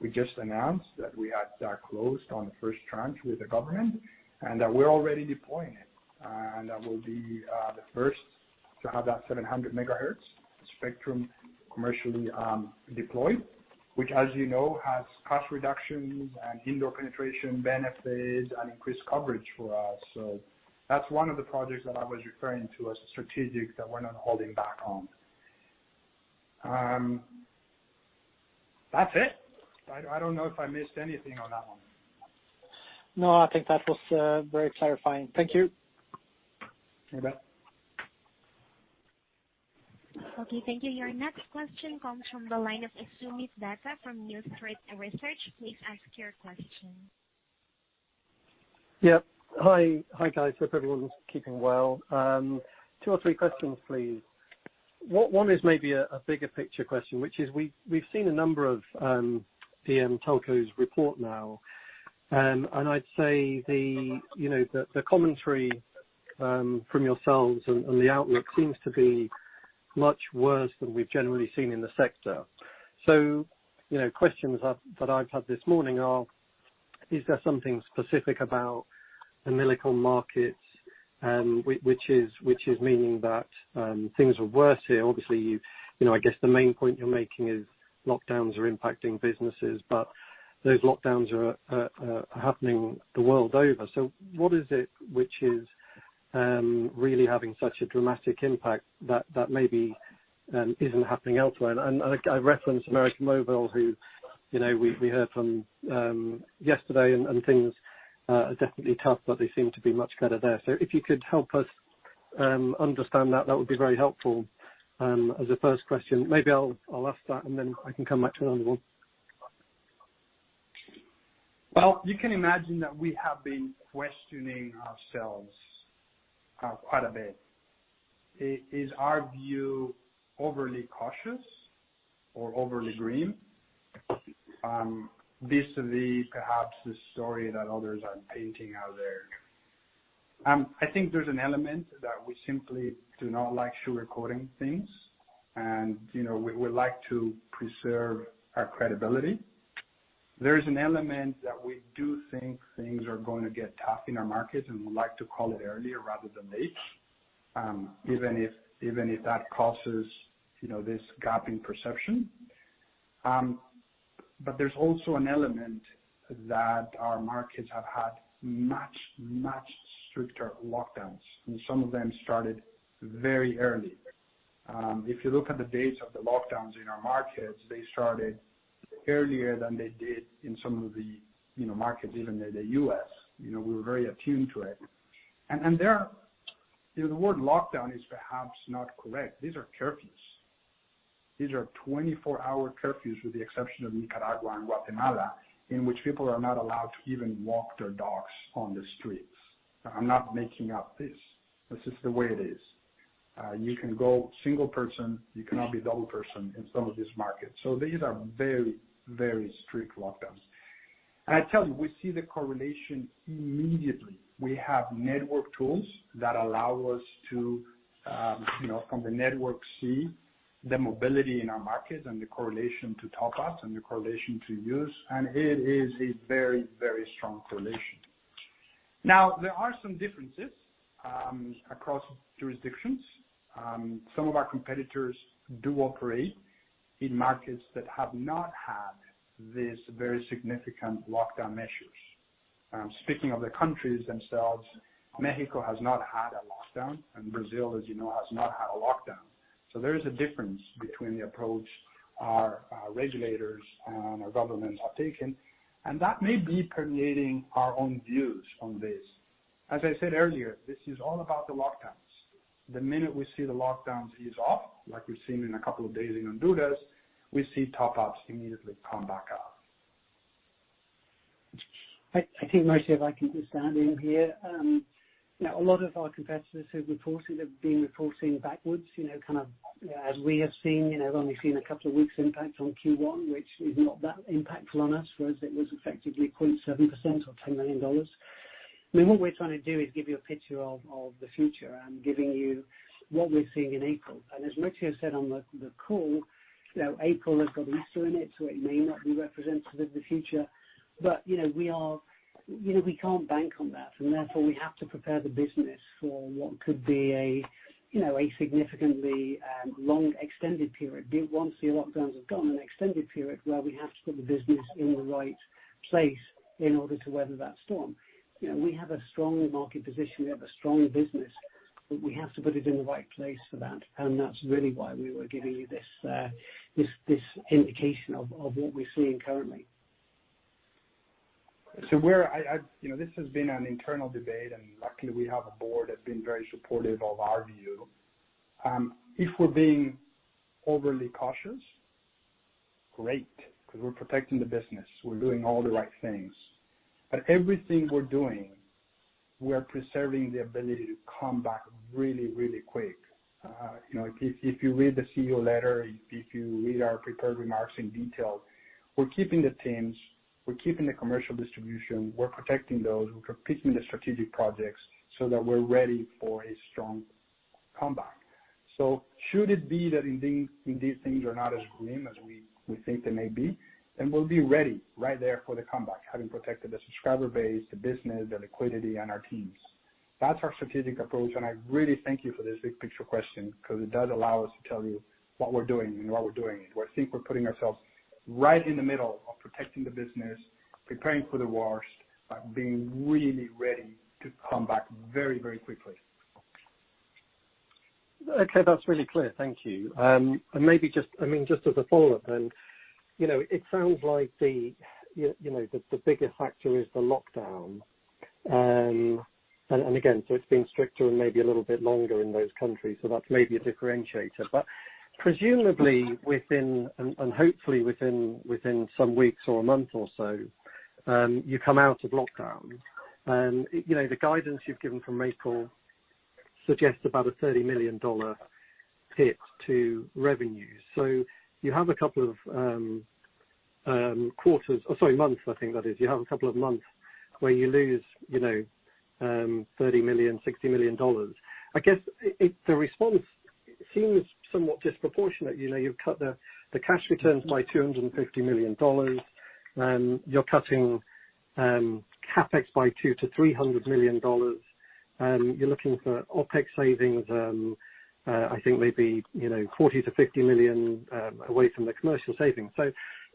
we just announced that we had closed on the first tranche with the government and that we are already deploying it. That will be the first to have that 700 MHz spectrum commercially deployed, which, as you know, has cost reductions and indoor penetration benefits and increased coverage for us. That's one of the projects that I was referring to as strategic that we're not holding back on. That's it. I don't know if I missed anything on that one. No, I think that was very clarifying. Thank you. Okay. Bye. Okay. Thank you. Your next question comes from the line of Esumis Veta from New Street Research. Please ask your question. Yep. Hi, guys. Hope everyone's keeping well. Two or three questions, please. One is maybe a bigger picture question, which is we've seen a number of PM Tocco's report now. I'd say the commentary from yourselves and the outlook seems to be much worse than we've generally seen in the sector. Questions that I've had this morning are, is there something specific about umbilical markets, which is meaning that things are worse here? Obviously, I guess the main point you're making is lockdowns are impacting businesses, but those lockdowns are happening the world over. What is it which is really having such a dramatic impact that maybe isn't happening elsewhere? I referenced América Móvil, who we heard from yesterday, and things are definitely tough, but they seem to be much better there. If you could help us understand that, that would be very helpful as a first question. Maybe I'll ask that, and then I can come back to another one. You can imagine that we have been questioning ourselves quite a bit. Is our view overly cautious or overly green vis-à-vis perhaps the story that others are painting out there? I think there's an element that we simply do not like sugarcoating things, and we like to preserve our credibility. There is an element that we do think things are going to get tough in our markets, and we'd like to call it early rather than late, even if that causes this gap in perception. There is also an element that our markets have had much, much stricter lockdowns, and some of them started very early. If you look at the dates of the lockdowns in our markets, they started earlier than they did in some of the markets, even in the U.S. We were very attuned to it. The word lockdown is perhaps not correct. These are curfews. These are 24-hour curfews, with the exception of Nicaragua and Guatemala, in which people are not allowed to even walk their dogs on the streets. I'm not making up this. This is the way it is. You can go single person. You cannot be double person in some of these markets. These are very, very strict lockdowns. I tell you, we see the correlation immediately. We have network tools that allow us to, from the network, see the mobility in our markets and the correlation to top-ups and the correlation to use. It is a very, very strong correlation. There are some differences across jurisdictions. Some of our competitors do operate in markets that have not had these very significant lockdown measures. Speaking of the countries themselves, Mexico has not had a lockdown, and Brazil, as you know, has not had a lockdown. There is a difference between the approach our regulators and our governments have taken, and that may be permeating our own views on this. As I said earlier, this is all about the lockdowns. The minute we see the lockdowns ease off, like we've seen in a couple of days in Honduras, we see top-ups immediately come back up. I think most of our companies are in here. A lot of our competitors have reported that they've been reporting backwards, kind of as we have seen. We've only seen a couple of weeks' impact on Q1, which is not that impactful on us, whereas it was effectively 0.7% or $10 million. I mean, what we're trying to do is give you a picture of the future and giving you what we're seeing in April. As much as you said on the call, April has got Easter in it, so it may not be representative of the future. We can't bank on that, and therefore we have to prepare the business for what could be a significantly long extended period. Once the lockdowns have gone an extended period where we have to put the business in the right place in order to weather that storm. We have a strong market position. We have a strong business, but we have to put it in the right place for that. That is really why we were giving you this indication of what we are seeing currently. This has been an internal debate, and luckily we have a board that has been very supportive of our view. If we are being overly cautious, great, because we are protecting the business. We are doing all the right things. Everything we are doing, we are preserving the ability to come back really, really quick. If you read the CEO letter, if you read our prepared remarks in detail, we are keeping the teams. We are keeping the commercial distribution. We are protecting those. We're picking the strategic projects so that we're ready for a strong comeback. Should it be that indeed these things are not as green as we think they may be, then we'll be ready right there for the comeback, having protected the subscriber base, the business, the liquidity, and our teams. That's our strategic approach, and I really thank you for this big picture question because it does allow us to tell you what we're doing and why we're doing it. I think we're putting ourselves right in the middle of protecting the business, preparing for the worst, but being really ready to come back very, very quickly. Okay. That's really clear. Thank you. Maybe just, I mean, just as a follow-up, it sounds like the biggest factor is the lockdowns. It has been stricter and maybe a little bit longer in those countries, so that is maybe a differentiator. Presumably, and hopefully within some weeks or a month or so, you come out of lockdowns. The guidance you have given from Maple suggests about a $30 million hit to revenues. You have a couple of months where you lose $30 million, $60 million. I guess the response seems somewhat disproportionate. You have cut the cash returns by $250 million. You are cutting CapEx by $200 million-$300 million. You are looking for OpEx savings, I think maybe $40 million-$50 million away from the commercial savings.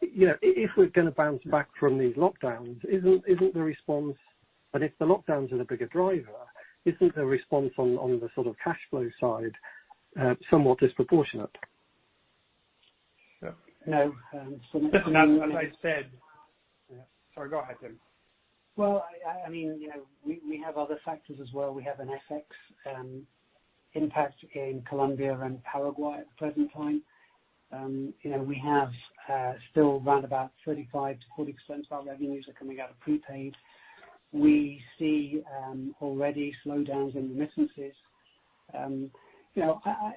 If we are going to bounce back from these lockdowns, is not the response—and if the lockdowns are the bigger driver—is not the response on the sort of cash flow side somewhat disproportionate? No. As I said— sorry, go ahead, Tim. I mean, we have other factors as well. We have an FX impact in Colombia and Paraguay at the present time. We have still around 35%-40% of our revenues coming out of prepaid. We see already slowdowns in remittances.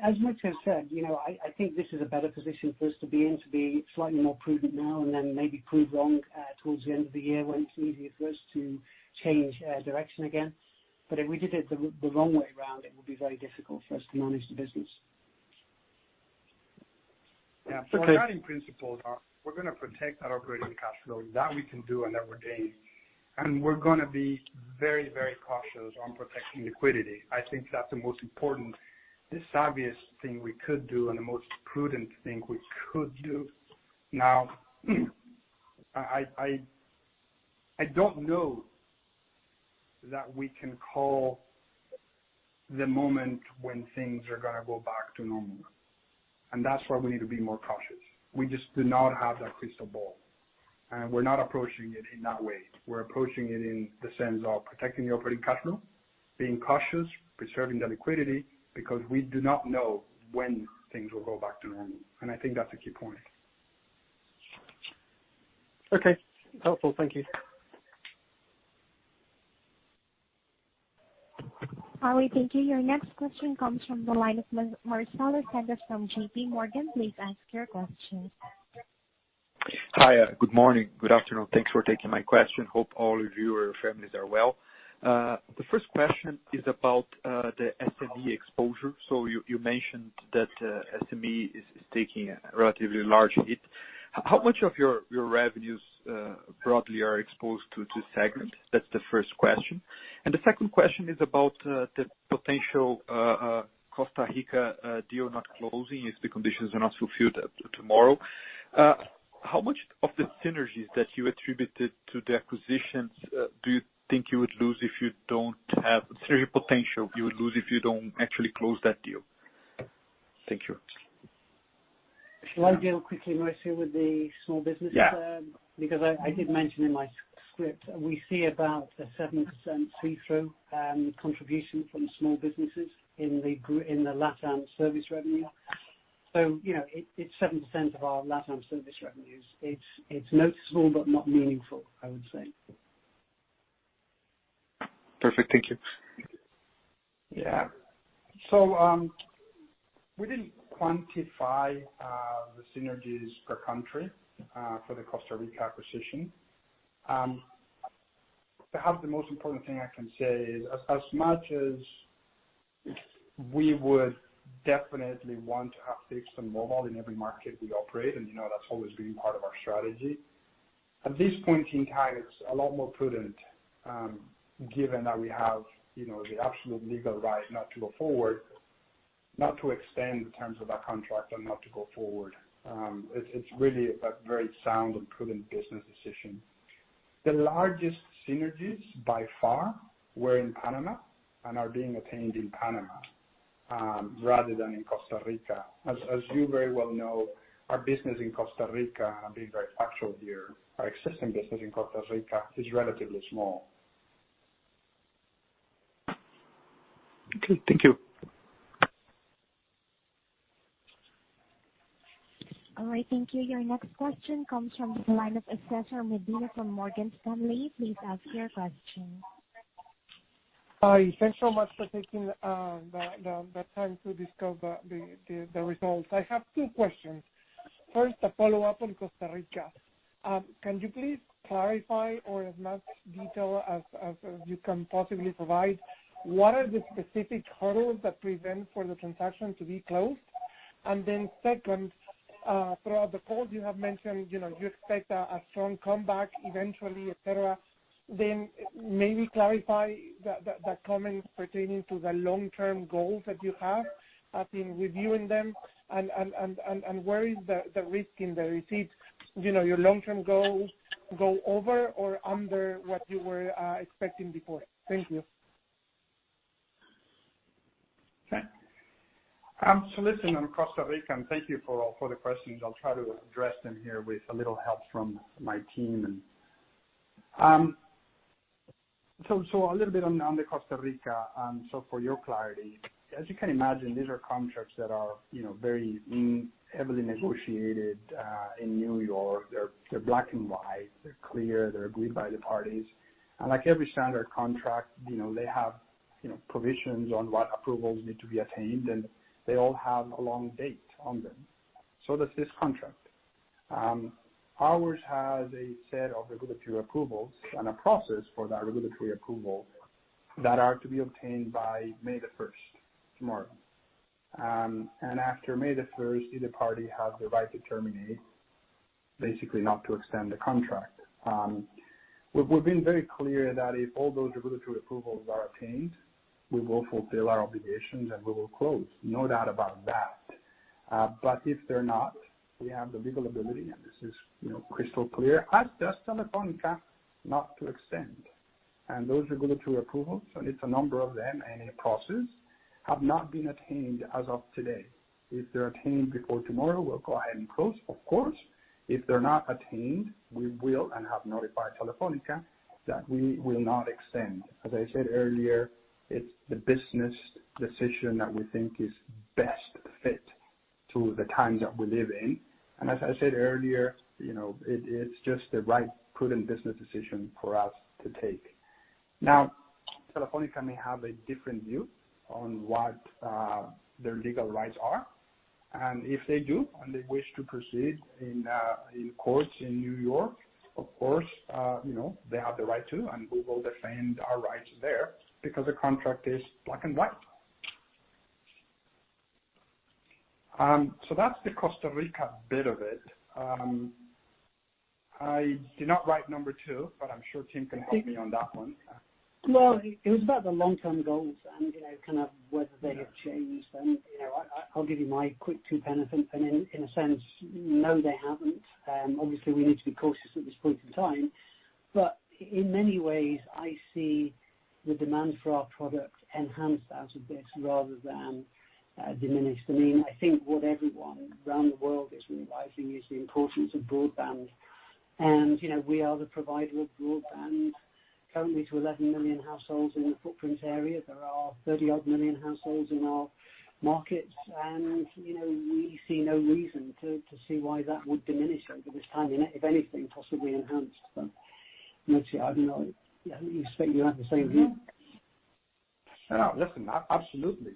As much as I've said, I think this is a better position for us to be in, to be slightly more prudent now and then maybe prove wrong towards the end of the year when it's easier for us to change direction again. If we did it the wrong way around, it would be very difficult for us to manage the business. Guiding principles are, we're going to protect that operating cash flow, that we can do, and that we're gaining. We're going to be very, very cautious on protecting liquidity. I think that's the most important, the savviest thing we could do, and the most prudent thing we could do. Now, I don't know that we can call the moment when things are going to go back to normal. That's why we need to be more cautious. We just do not have that crystal ball. We're not approaching it in that way. We're approaching it in the sense of protecting the operating cash flow, being cautious, preserving the liquidity, because we do not know when things will go back to normal. I think that's a key point. Okay. Helpful. Thank you. All right. Thank you. Your next question comes from the line of Mark Henderson from JPMorgan. Please ask your question. Hi. Good morning. Good afternoon. Thanks for taking my question. Hope all of you or your families are well. The first question is about the SME exposure. You mentioned that SME is taking a relatively large hit. How much of your revenues broadly are exposed to segment? That is the first question. The second question is about the potential Costa Rica deal not closing if the conditions are not fulfilled tomorrow. How much of the synergies that you attributed to the acquisitions do you think you would lose if you do not have synergy potential you would lose if you do not actually close that deal? Thank you. Can I jump quickly, Mauricio, with the small business? Yeah. I did mention in my script, we see about a 7% see-through contribution from small businesses in the LATAM service revenue. It is 7% of our LATAM service revenues. It is noticeable but not meaningful, I would say. Perfect. Thank you. Yeah. We did not quantify the synergies per country for the Costa Rica acquisition. Perhaps the most important thing I can say is, as much as we would definitely want to have fixed and mobile in every market we operate, and that has always been part of our strategy, at this point in time, it is a lot more prudent given that we have the absolute legal right not to go forward, not to extend the terms of that contract, and not to go forward. It is really a very sound and prudent business decision. The largest synergies, by far, were in Panama and are being attained in Panama rather than in Costa Rica. As you very well know, our business in Costa Rica, being very factual here, our existing business in Costa Rica is relatively small. Okay. Thank you. All right. Thank you. Your next question comes from the line of Cesar Medina from Morgan Stanley. Please ask your question. Hi. Thanks so much for taking the time to discuss the results. I have two questions. First, a follow-up on Costa Rica. Can you please clarify or as much detail as you can possibly provide what are the specific hurdles that prevent the transaction from being closed? Second, throughout the call, you have mentioned you expect a strong comeback eventually, etc. Maybe clarify the comments pertaining to the long-term goals that you have in reviewing them, and where is the risk in the receipts? Your long-term goals go over or under what you were expecting before? Thank you. Okay. Listen, I'm Costa Rican. Thank you for all the questions. I'll try to address them here with a little help from my team. A little bit on the Costa Rica. For your clarity, as you can imagine, these are contracts that are very heavily negotiated in New York. They are black and white. They are clear. They are agreed by the parties. Like every standard contract, they have provisions on what approvals need to be attained, and they all have a long date on them. This contract does as well. Ours has a set of regulatory approvals and a process for that regulatory approval that are to be obtained by May 1, tomorrow. After May 1, either party has the right to terminate, basically not to extend the contract. We have been very clear that if all those regulatory approvals are attained, we will fulfill our obligations and we will close. No doubt about that. If they're not, we have the legal ability, and this is crystal clear, as does Telefónica, not to extend. Those regulatory approvals, and it's a number of them and in process, have not been attained as of today. If they're attained before tomorrow, we'll go ahead and close, of course. If they're not attained, we will and have notified Telefónica that we will not extend. As I said earlier, it's the business decision that we think is best fit to the times that we live in. As I said earlier, it's just the right prudent business decision for us to take. Now, Telefónica may have a different view on what their legal rights are. If they do and they wish to proceed in courts in New York, of course, they have the right to, and we will defend our rights there because the contract is black and white. That is the Costa Rica bit of it. I did not write number two, but I am sure Tim can help me on that one. It was about the long-term goals and kind of whether they have changed. I will give you my quick two pennies. In a sense, no, they have not. Obviously, we need to be cautious at this point in time. In many ways, I see the demand for our product enhanced out of this rather than diminished. I think what everyone around the world is realizing is the importance of broadband. We are the provider of broadband currently to 11 million households in the footprint area. There are 30-odd million households in our markets. We see no reason to see why that would diminish over this time, if anything, possibly enhanced. Mauricio, I do not know. I expect you have the same view. Listen, absolutely.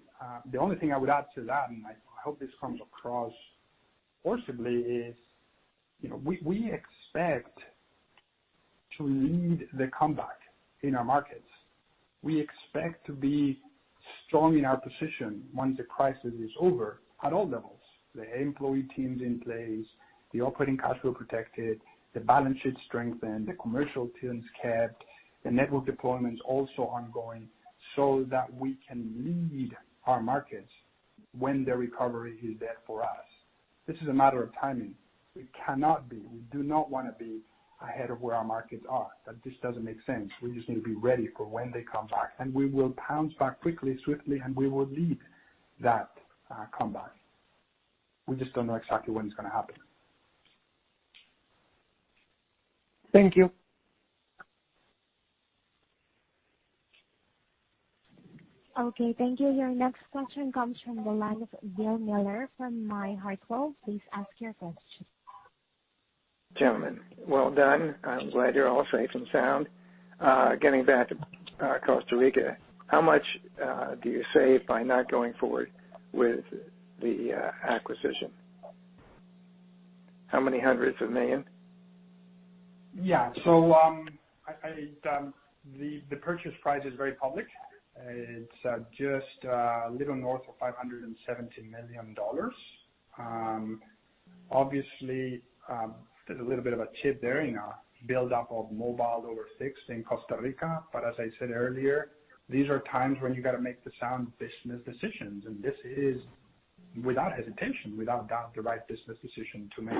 The only thing I would add to that, and I hope this comes across forcibly, is we expect to lead the comeback in our markets. We expect to be strong in our position once the crisis is over at all levels. The employee teams in place, the operating cash flow protected, the balance sheet strengthened, the commercial teams kept, the network deployments also ongoing so that we can lead our markets when the recovery is there for us. This is a matter of timing. We cannot be. We do not want to be ahead of where our markets are. This does not make sense. We just need to be ready for when they come back. We will pounce back quickly, swiftly, and we will lead that comeback. We just do not know exactly when it is going to happen. Thank you. Okay. Thank you. Your next question comes from the line of Bill Miller from William Blair. Please ask your question. Gentlemen, well done. I am glad you are all safe and sound. Getting back to Costa Rica, how much do you save by not going forward with the acquisition? How many hundreds of million? Yeah. The purchase price is very public. It is just a little north of $570 million. Obviously, there is a little bit of a chip there in our buildup of mobile over fixed in Costa Rica. As I said earlier, these are times when you have to make the sound business decisions. This is, without hesitation, without doubt, the right business decision to make.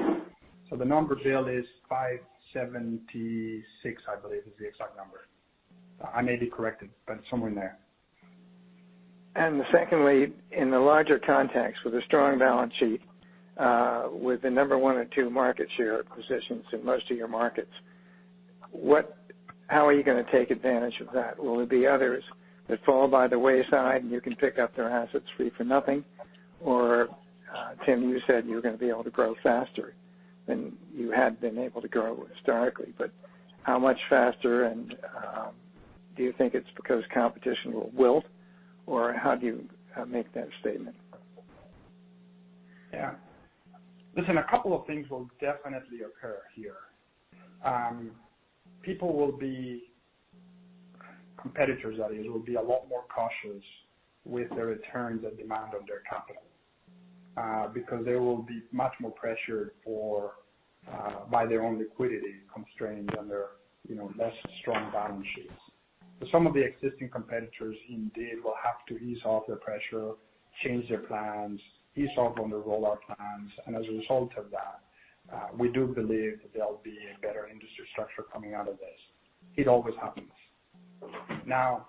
The number billed is 576, I believe, is the exact number. I may be corrected, but somewhere in there. Secondly, in the larger context with a strong balance sheet with the number one or two market share positions in most of your markets, how are you going to take advantage of that? Will there be others that fall by the wayside and you can pick up their assets free for nothing? Tim, you said you were going to be able to grow faster than you had been able to grow historically. How much faster? Do you think it is because competition will wilt? How do you make that statement? Yeah. Listen, a couple of things will definitely occur here. People will be competitors, that is, will be a lot more cautious with the returns and demand on their capital because they will be much more pressured by their own liquidity constraints and their less strong balance sheets. Some of the existing competitors indeed will have to ease off the pressure, change their plans, ease off on the rollout plans. As a result of that, we do believe that there'll be a better industry structure coming out of this. It always happens. Now,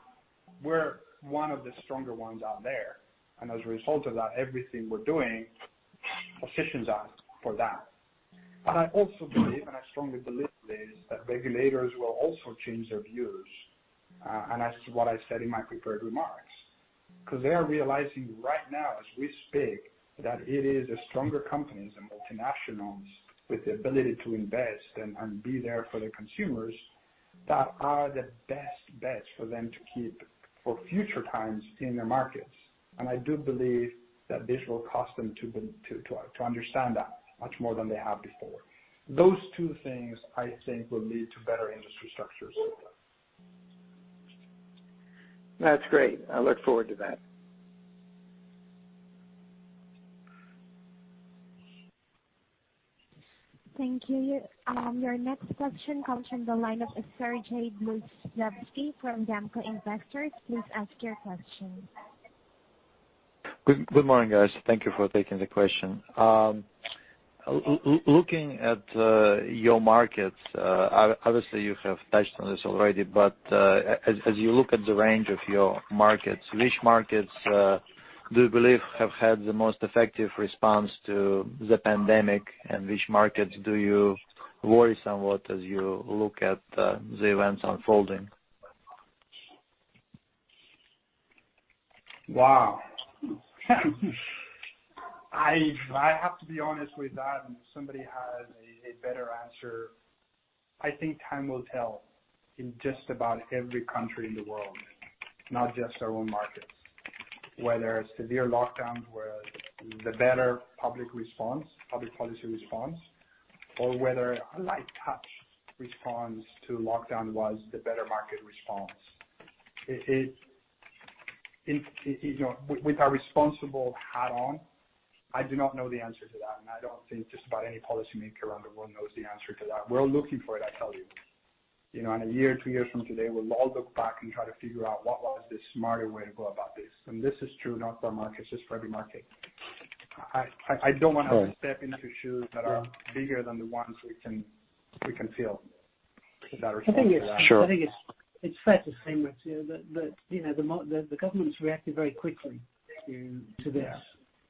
we're one of the stronger ones out there. As a result of that, everything we're doing positions us for that. I also believe, and I strongly believe this, that regulators will also change their views, and that's what I said in my prepared remarks. Because they are realizing right now, as we speak, that it is the stronger companies, the multinationals with the ability to invest and be there for their consumers, that are the best bets for them to keep for future times in their markets. I do believe that this will cause them to understand that much more than they have before. Those two things, I think, will lead to better industry structures. That's great. I look forward to that. Thank you. Your next question comes from the line of Sergey Blusevsky from VTB Capital. Please ask your question. Good morning, guys. Thank you for taking the question. Looking at your markets, obviously, you have touched on this already, but as you look at the range of your markets, which markets do you believe have had the most effective response to the pandemic, and which markets do you worry somewhat as you look at the events unfolding? Wow. I have to be honest with that. If somebody has a better answer, I think time will tell in just about every country in the world, not just our own markets. Whether severe lockdowns were the better public response, public policy response, or whether a light-touch response to lockdown was the better market response. With our responsible hat on, I do not know the answer to that. I do not think just about any policymaker around the world knows the answer to that. We're all looking for it, I tell you. In a year, two years from today, we'll all look back and try to figure out what was the smarter way to go about this. This is true, not for our markets, just for every market. I don't want to step into shoes that are bigger than the ones we can feel that are stronger. I think it's fair to say that the governments reacted very quickly to this.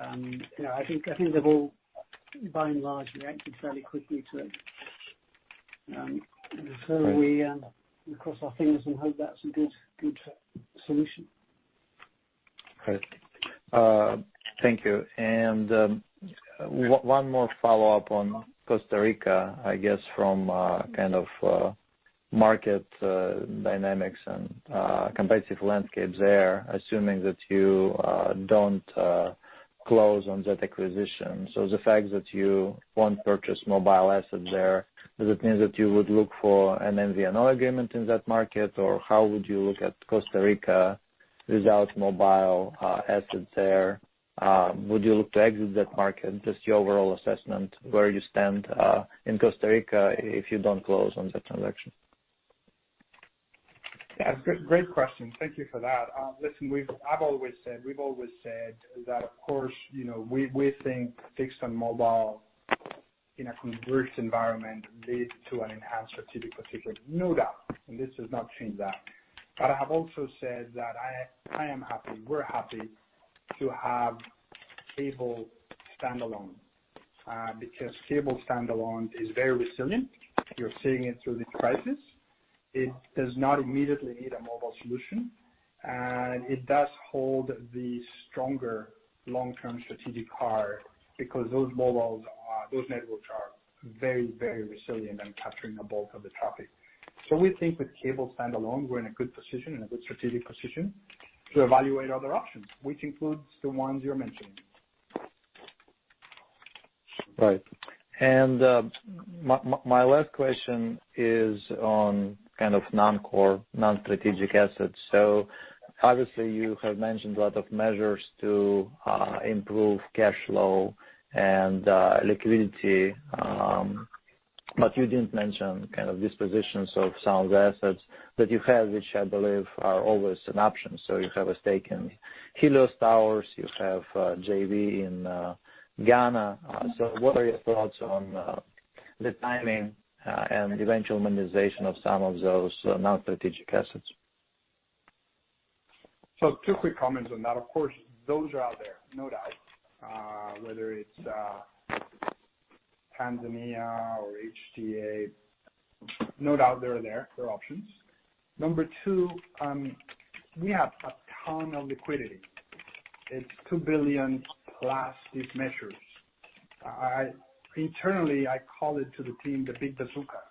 I think they've all, by and large, reacted fairly quickly to it. We cross our fingers and hope that's a good solution. Great. Thank you. One more follow-up on Costa Rica, I guess, from kind of market dynamics and competitive landscape there, assuming that you don't close on that acquisition. The fact that you won't purchase mobile assets there, does it mean that you would look for an MVNO agreement in that market? How would you look at Costa Rica without mobile assets there? Would you look to exit that market? Just your overall assessment, where you stand in Costa Rica if you do not close on that transaction? Yeah. Great question. Thank you for that. Listen, I have always said, we have always said that, of course, we think fixed and mobile in a converged environment leads to an enhanced strategic position. No doubt. This does not change that. I have also said that I am happy, we are happy to have cable standalone because cable standalone is very resilient. You are seeing it through this crisis. It does not immediately need a mobile solution. It does hold the stronger long-term strategic card because those networks are very, very resilient and capturing the bulk of the traffic. We think with cable standalone, we're in a good position, in a good strategic position to evaluate other options, which includes the ones you're mentioning. Right. My last question is on kind of non-core, non-strategic assets. Obviously, you have mentioned a lot of measures to improve cash flow and liquidity. You did not mention kind of dispositions of some of the assets that you have, which I believe are always an option. You have a stake in Helios Towers. You have JV in Ghana. What are your thoughts on the timing and eventual monetization of some of those non-strategic assets? Two quick comments on that. Of course, those are out there. No doubt. Whether it's Tanzania or HTA, no doubt they're there. They're options. Number two, we have a ton of liquidity. It's $2 billion plus these measures. Internally, I call it to the team the big bazooka.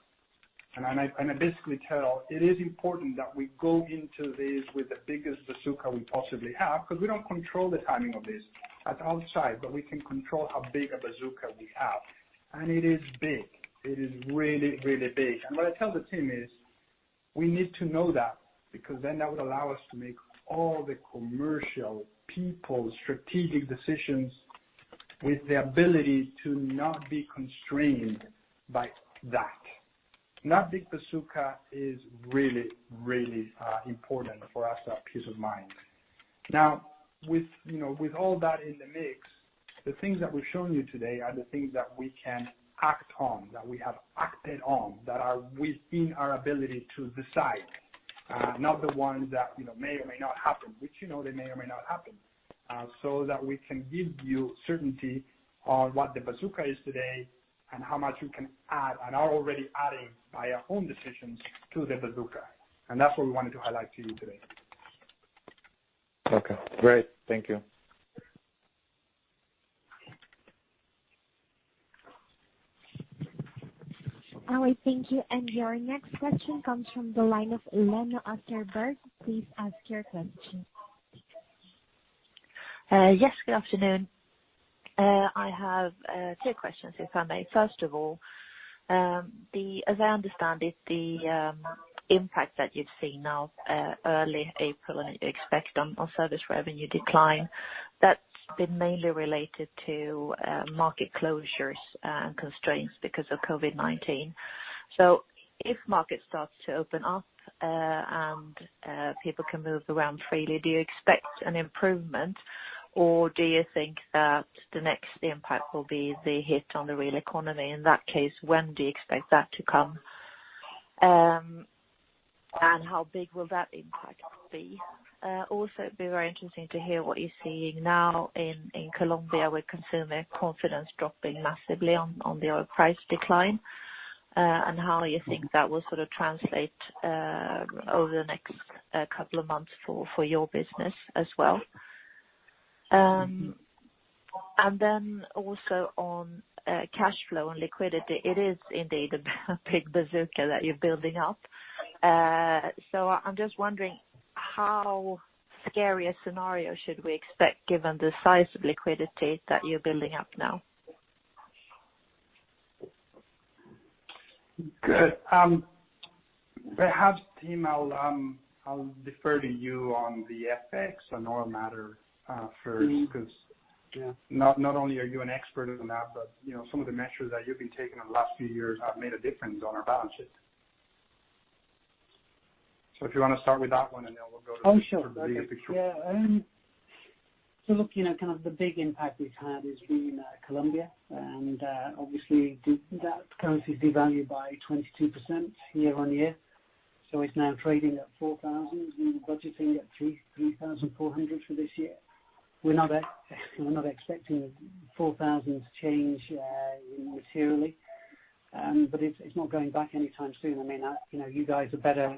I basically tell, "It is important that we go into this with the biggest bazooka we possibly have because we don't control the timing of this." That is outside, but we can control how big a bazooka we have. It is big. It is really, really big. What I tell the team is we need to know that because then that would allow us to make all the commercial people's strategic decisions with the ability to not be constrained by that. That big bazooka is really, really important for us to have peace of mind. Now, with all that in the mix, the things that we've shown you today are the things that we can act on, that we have acted on, that are within our ability to decide, not the ones that may or may not happen, which they may or may not happen, so that we can give you certainty on what the bazooka is today and how much we can add and are already adding by our own decisions to the bazooka. That is what we wanted to highlight to you today. Okay. Great. Thank you. All right. Thank you. Your next question comes from the line of Lena Osterberg. Please ask your question. Yes. Good afternoon. I have two questions, if I may. First of all, as I understand it, the impact that you've seen now, early April, and you expect on service revenue decline, that's been mainly related to market closures and constraints because of COVID-19. If markets start to open up and people can move around freely, do you expect an improvement, or do you think that the next impact will be the hit on the real economy? In that case, when do you expect that to come? How big will that impact be? It would be very interesting to hear what you're seeing now in Colombia with consumer confidence dropping massively on the oil price decline and how you think that will sort of translate over the next couple of months for your business as well. Also, on cash flow and liquidity, it is indeed a big bazooka that you're building up. I'm just wondering, how scary a scenario should we expect given the size of liquidity that you're building up now? Good. Perhaps, Tim, I'll defer to you on the FX and oil matter first because not only are you an expert on that, but some of the measures that you've been taking in the last few years have made a difference on our balance sheet. If you want to start with that one, and then we'll go to the bigger picture. Oh, sure. Yeah. Look, kind of the big impact we've had is being in Colombia. Obviously, that currency's devalued by 22% year on year. It's now trading at COP 4,000. We were budgeting at COP 3,400 for this year. We're not expecting COP 4,000 to change materially. It's not going back anytime soon. I mean, you guys are better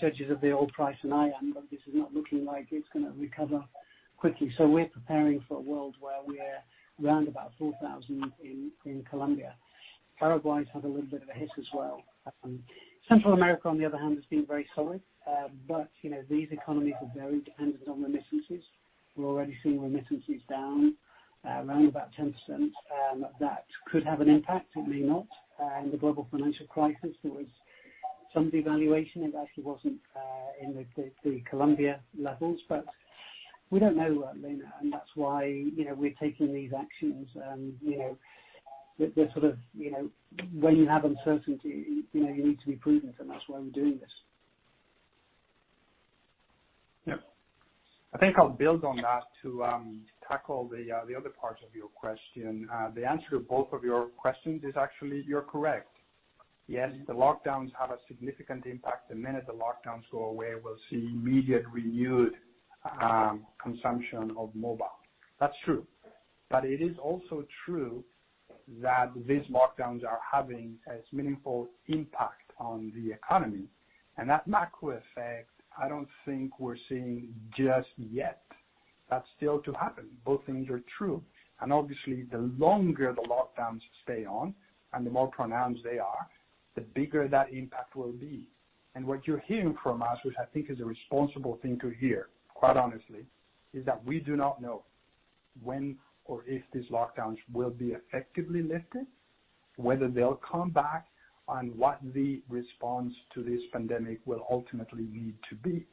judges of the oil price than I am, but this is not looking like it's going to recover quickly. We are preparing for a world where we are around about 4,000 in Colombia. Paraguay's had a little bit of a hit as well. Central America, on the other hand, has been very solid. These economies are very dependent on remittances. We are already seeing remittances down, around about 10%. That could have an impact. It may not. In the global financial crisis, there was some devaluation. It actually was not in the Colombia levels. We do not know, Lena. That is why we are taking these actions. When you have uncertainty, you need to be prudent. That is why we are doing this. Yep. I think I will build on that to tackle the other part of your question. The answer to both of your questions is actually you're correct. Yes, the lockdowns have a significant impact. The minute the lockdowns go away, we'll see immediate renewed consumption of mobile. That's true. It is also true that these lockdowns are having a meaningful impact on the economy. That macro effect, I don't think we're seeing just yet. That's still to happen. Both things are true. Obviously, the longer the lockdowns stay on and the more pronounced they are, the bigger that impact will be. What you're hearing from us, which I think is a responsible thing to hear, quite honestly, is that we do not know when or if these lockdowns will be effectively lifted, whether they'll come back, and what the response to this pandemic will ultimately need to be.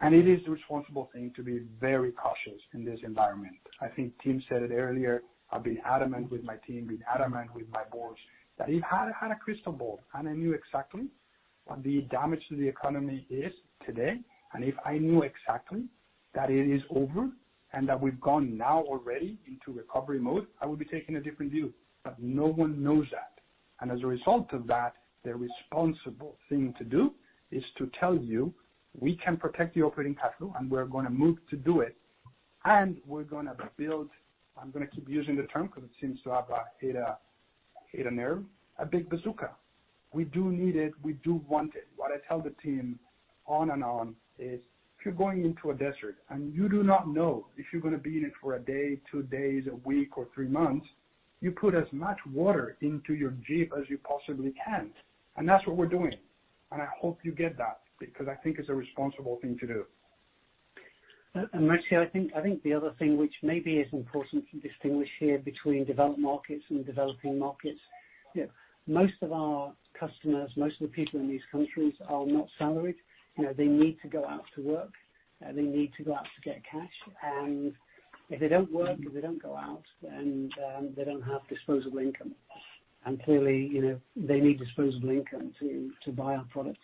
It is a responsible thing to be very cautious in this environment. I think Tim said it earlier. I've been adamant with my team, been adamant with my boards, that if I had a crystal ball and I knew exactly what the damage to the economy is today, and if I knew exactly that it is over and that we've gone now already into recovery mode, I would be taking a different view. No one knows that. As a result of that, the responsible thing to do is to tell you, "We can protect the operating cash flow, and we're going to move to do it, and we're going to build." I'm going to keep using the term because it seems to have hit a nerve. A big bazooka. We do need it. We do want it. What I tell the team on and on is, "If you're going into a desert and you do not know if you're going to be in it for a day, two days, a week, or three months, you put as much water into your jeep as you possibly can." That is what we're doing. I hope you get that because I think it's a responsible thing to do. Actually, I think the other thing which maybe is important to distinguish here between developed markets and developing markets. Most of our customers, most of the people in these countries are not salaried. They need to go out to work. They need to go out to get cash. If they don't work, if they don't go out, then they don't have disposable income. Clearly, they need disposable income to buy our products.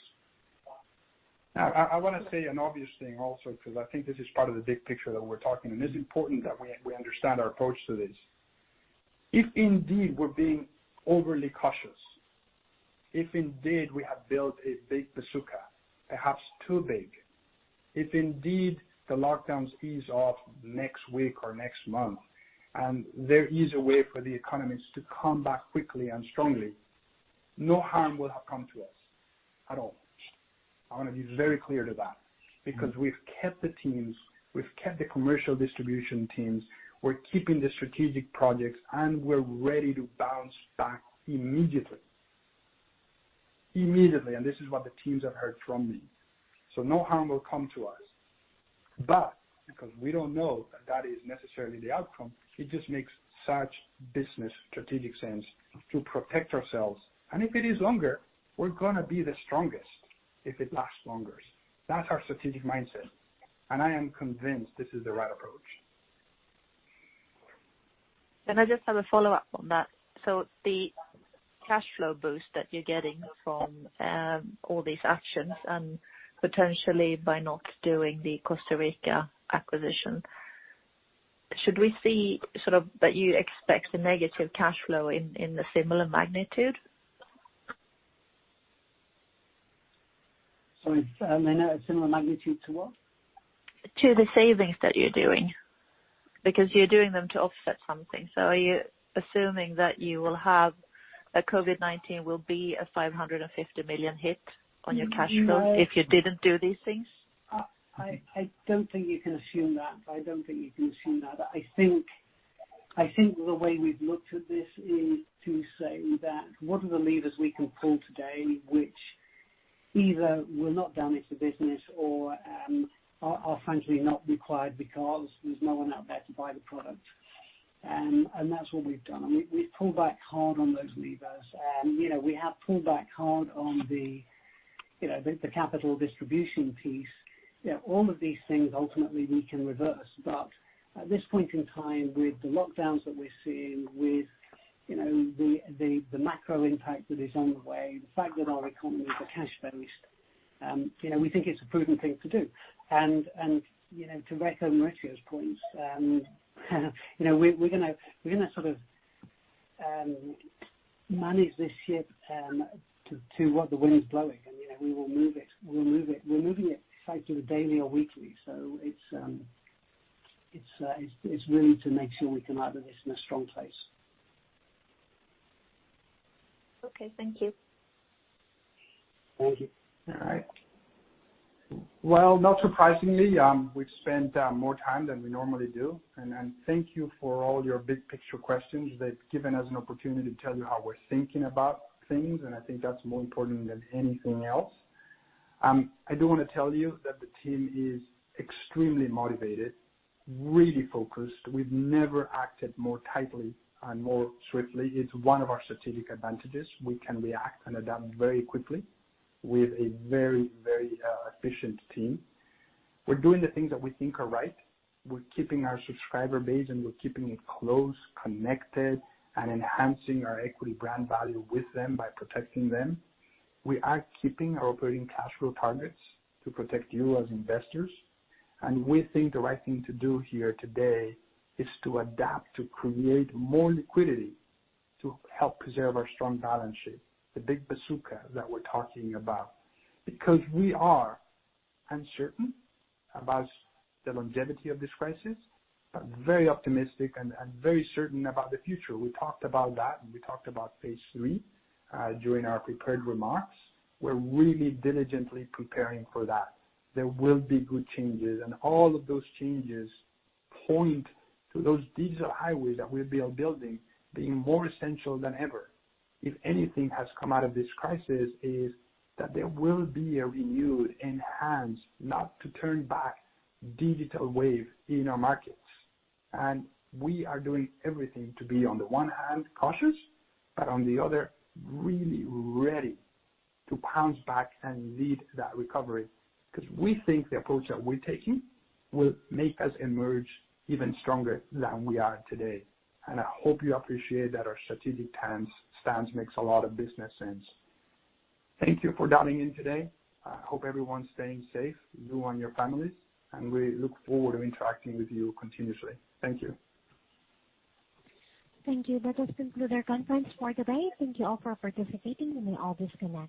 I want to say an obvious thing also because I think this is part of the big picture that we're talking. It is important that we understand our approach to this. If indeed we're being overly cautious, if indeed we have built a big bazooka, perhaps too big, if indeed the lockdowns ease off next week or next month, and there is a way for the economies to come back quickly and strongly, no harm will have come to us at all. I want to be very clear to that because we've kept the teams. We've kept the commercial distribution teams. We're keeping the strategic projects, and we're ready to bounce back immediately. Immediately. This is what the teams have heard from me. No harm will come to us. Because we do not know that that is necessarily the outcome, it just makes such business strategic sense to protect ourselves. If it is longer, we are going to be the strongest if it lasts longer. That is our strategic mindset. I am convinced this is the right approach. Can I just have a follow-up on that? The cash flow boost that you are getting from all these actions and potentially by not doing the Costa Rica acquisition, should we see sort of that you expect a negative cash flow in a similar magnitude? Sorry. Lena, a similar magnitude to what? To the savings that you are doing because you are doing them to offset something. Are you assuming that you will have a COVID-19 will be a $550 million hit on your cash flow if you did not do these things? I do not think you can assume that. I don't think you can assume that. I think the way we've looked at this is to say that what are the levers we can pull today which either will not damage the business or are frankly not required because there's no one out there to buy the product? That's what we've done. We have pulled back hard on those levers. We have pulled back hard on the capital distribution piece. All of these things, ultimately, we can reverse. At this point in time, with the lockdowns that we're seeing, with the macro impact that is on the way, the fact that our economy is cash-based, we think it's a prudent thing to do. To recognize Matthew's points, we're going to sort of manage this ship to what the wind's blowing. We will move it. We'll move it. We're moving it slightly daily or weekly. It is really to make sure we come out of this in a strong place. Okay. Thank you. Thank you. All right. Not surprisingly, we've spent more time than we normally do. Thank you for all your big picture questions. They've given us an opportunity to tell you how we're thinking about things. I think that's more important than anything else. I do want to tell you that the team is extremely motivated, really focused. We've never acted more tightly and more swiftly. It's one of our strategic advantages. We can react and adapt very quickly with a very, very efficient team. We're doing the things that we think are right. We're keeping our subscriber base, and we're keeping it close, connected, and enhancing our equity brand value with them by protecting them. We are keeping our operating cash flow targets to protect you as investors. We think the right thing to do here today is to adapt to create more liquidity to help preserve our strong balance sheet, the big bazooka that we're talking about. Because we are uncertain about the longevity of this crisis, but very optimistic and very certain about the future. We talked about that. We talked about phase three during our prepared remarks. We're really diligently preparing for that. There will be good changes. All of those changes point to those digital highways that we've been building being more essential than ever. If anything has come out of this crisis, it is that there will be a renewed, enhanced, not-to-turn-back digital wave in our markets. We are doing everything to be, on the one hand, cautious, but on the other, really ready to pounce back and lead that recovery because we think the approach that we're taking will make us emerge even stronger than we are today. I hope you appreciate that our strategic stance makes a lot of business sense. Thank you for dialing in today. I hope everyone's staying safe, you and your families. We look forward to interacting with you continuously. Thank you. Thank you. That does conclude our conference for today. Thank you all for participating. You may all disconnect.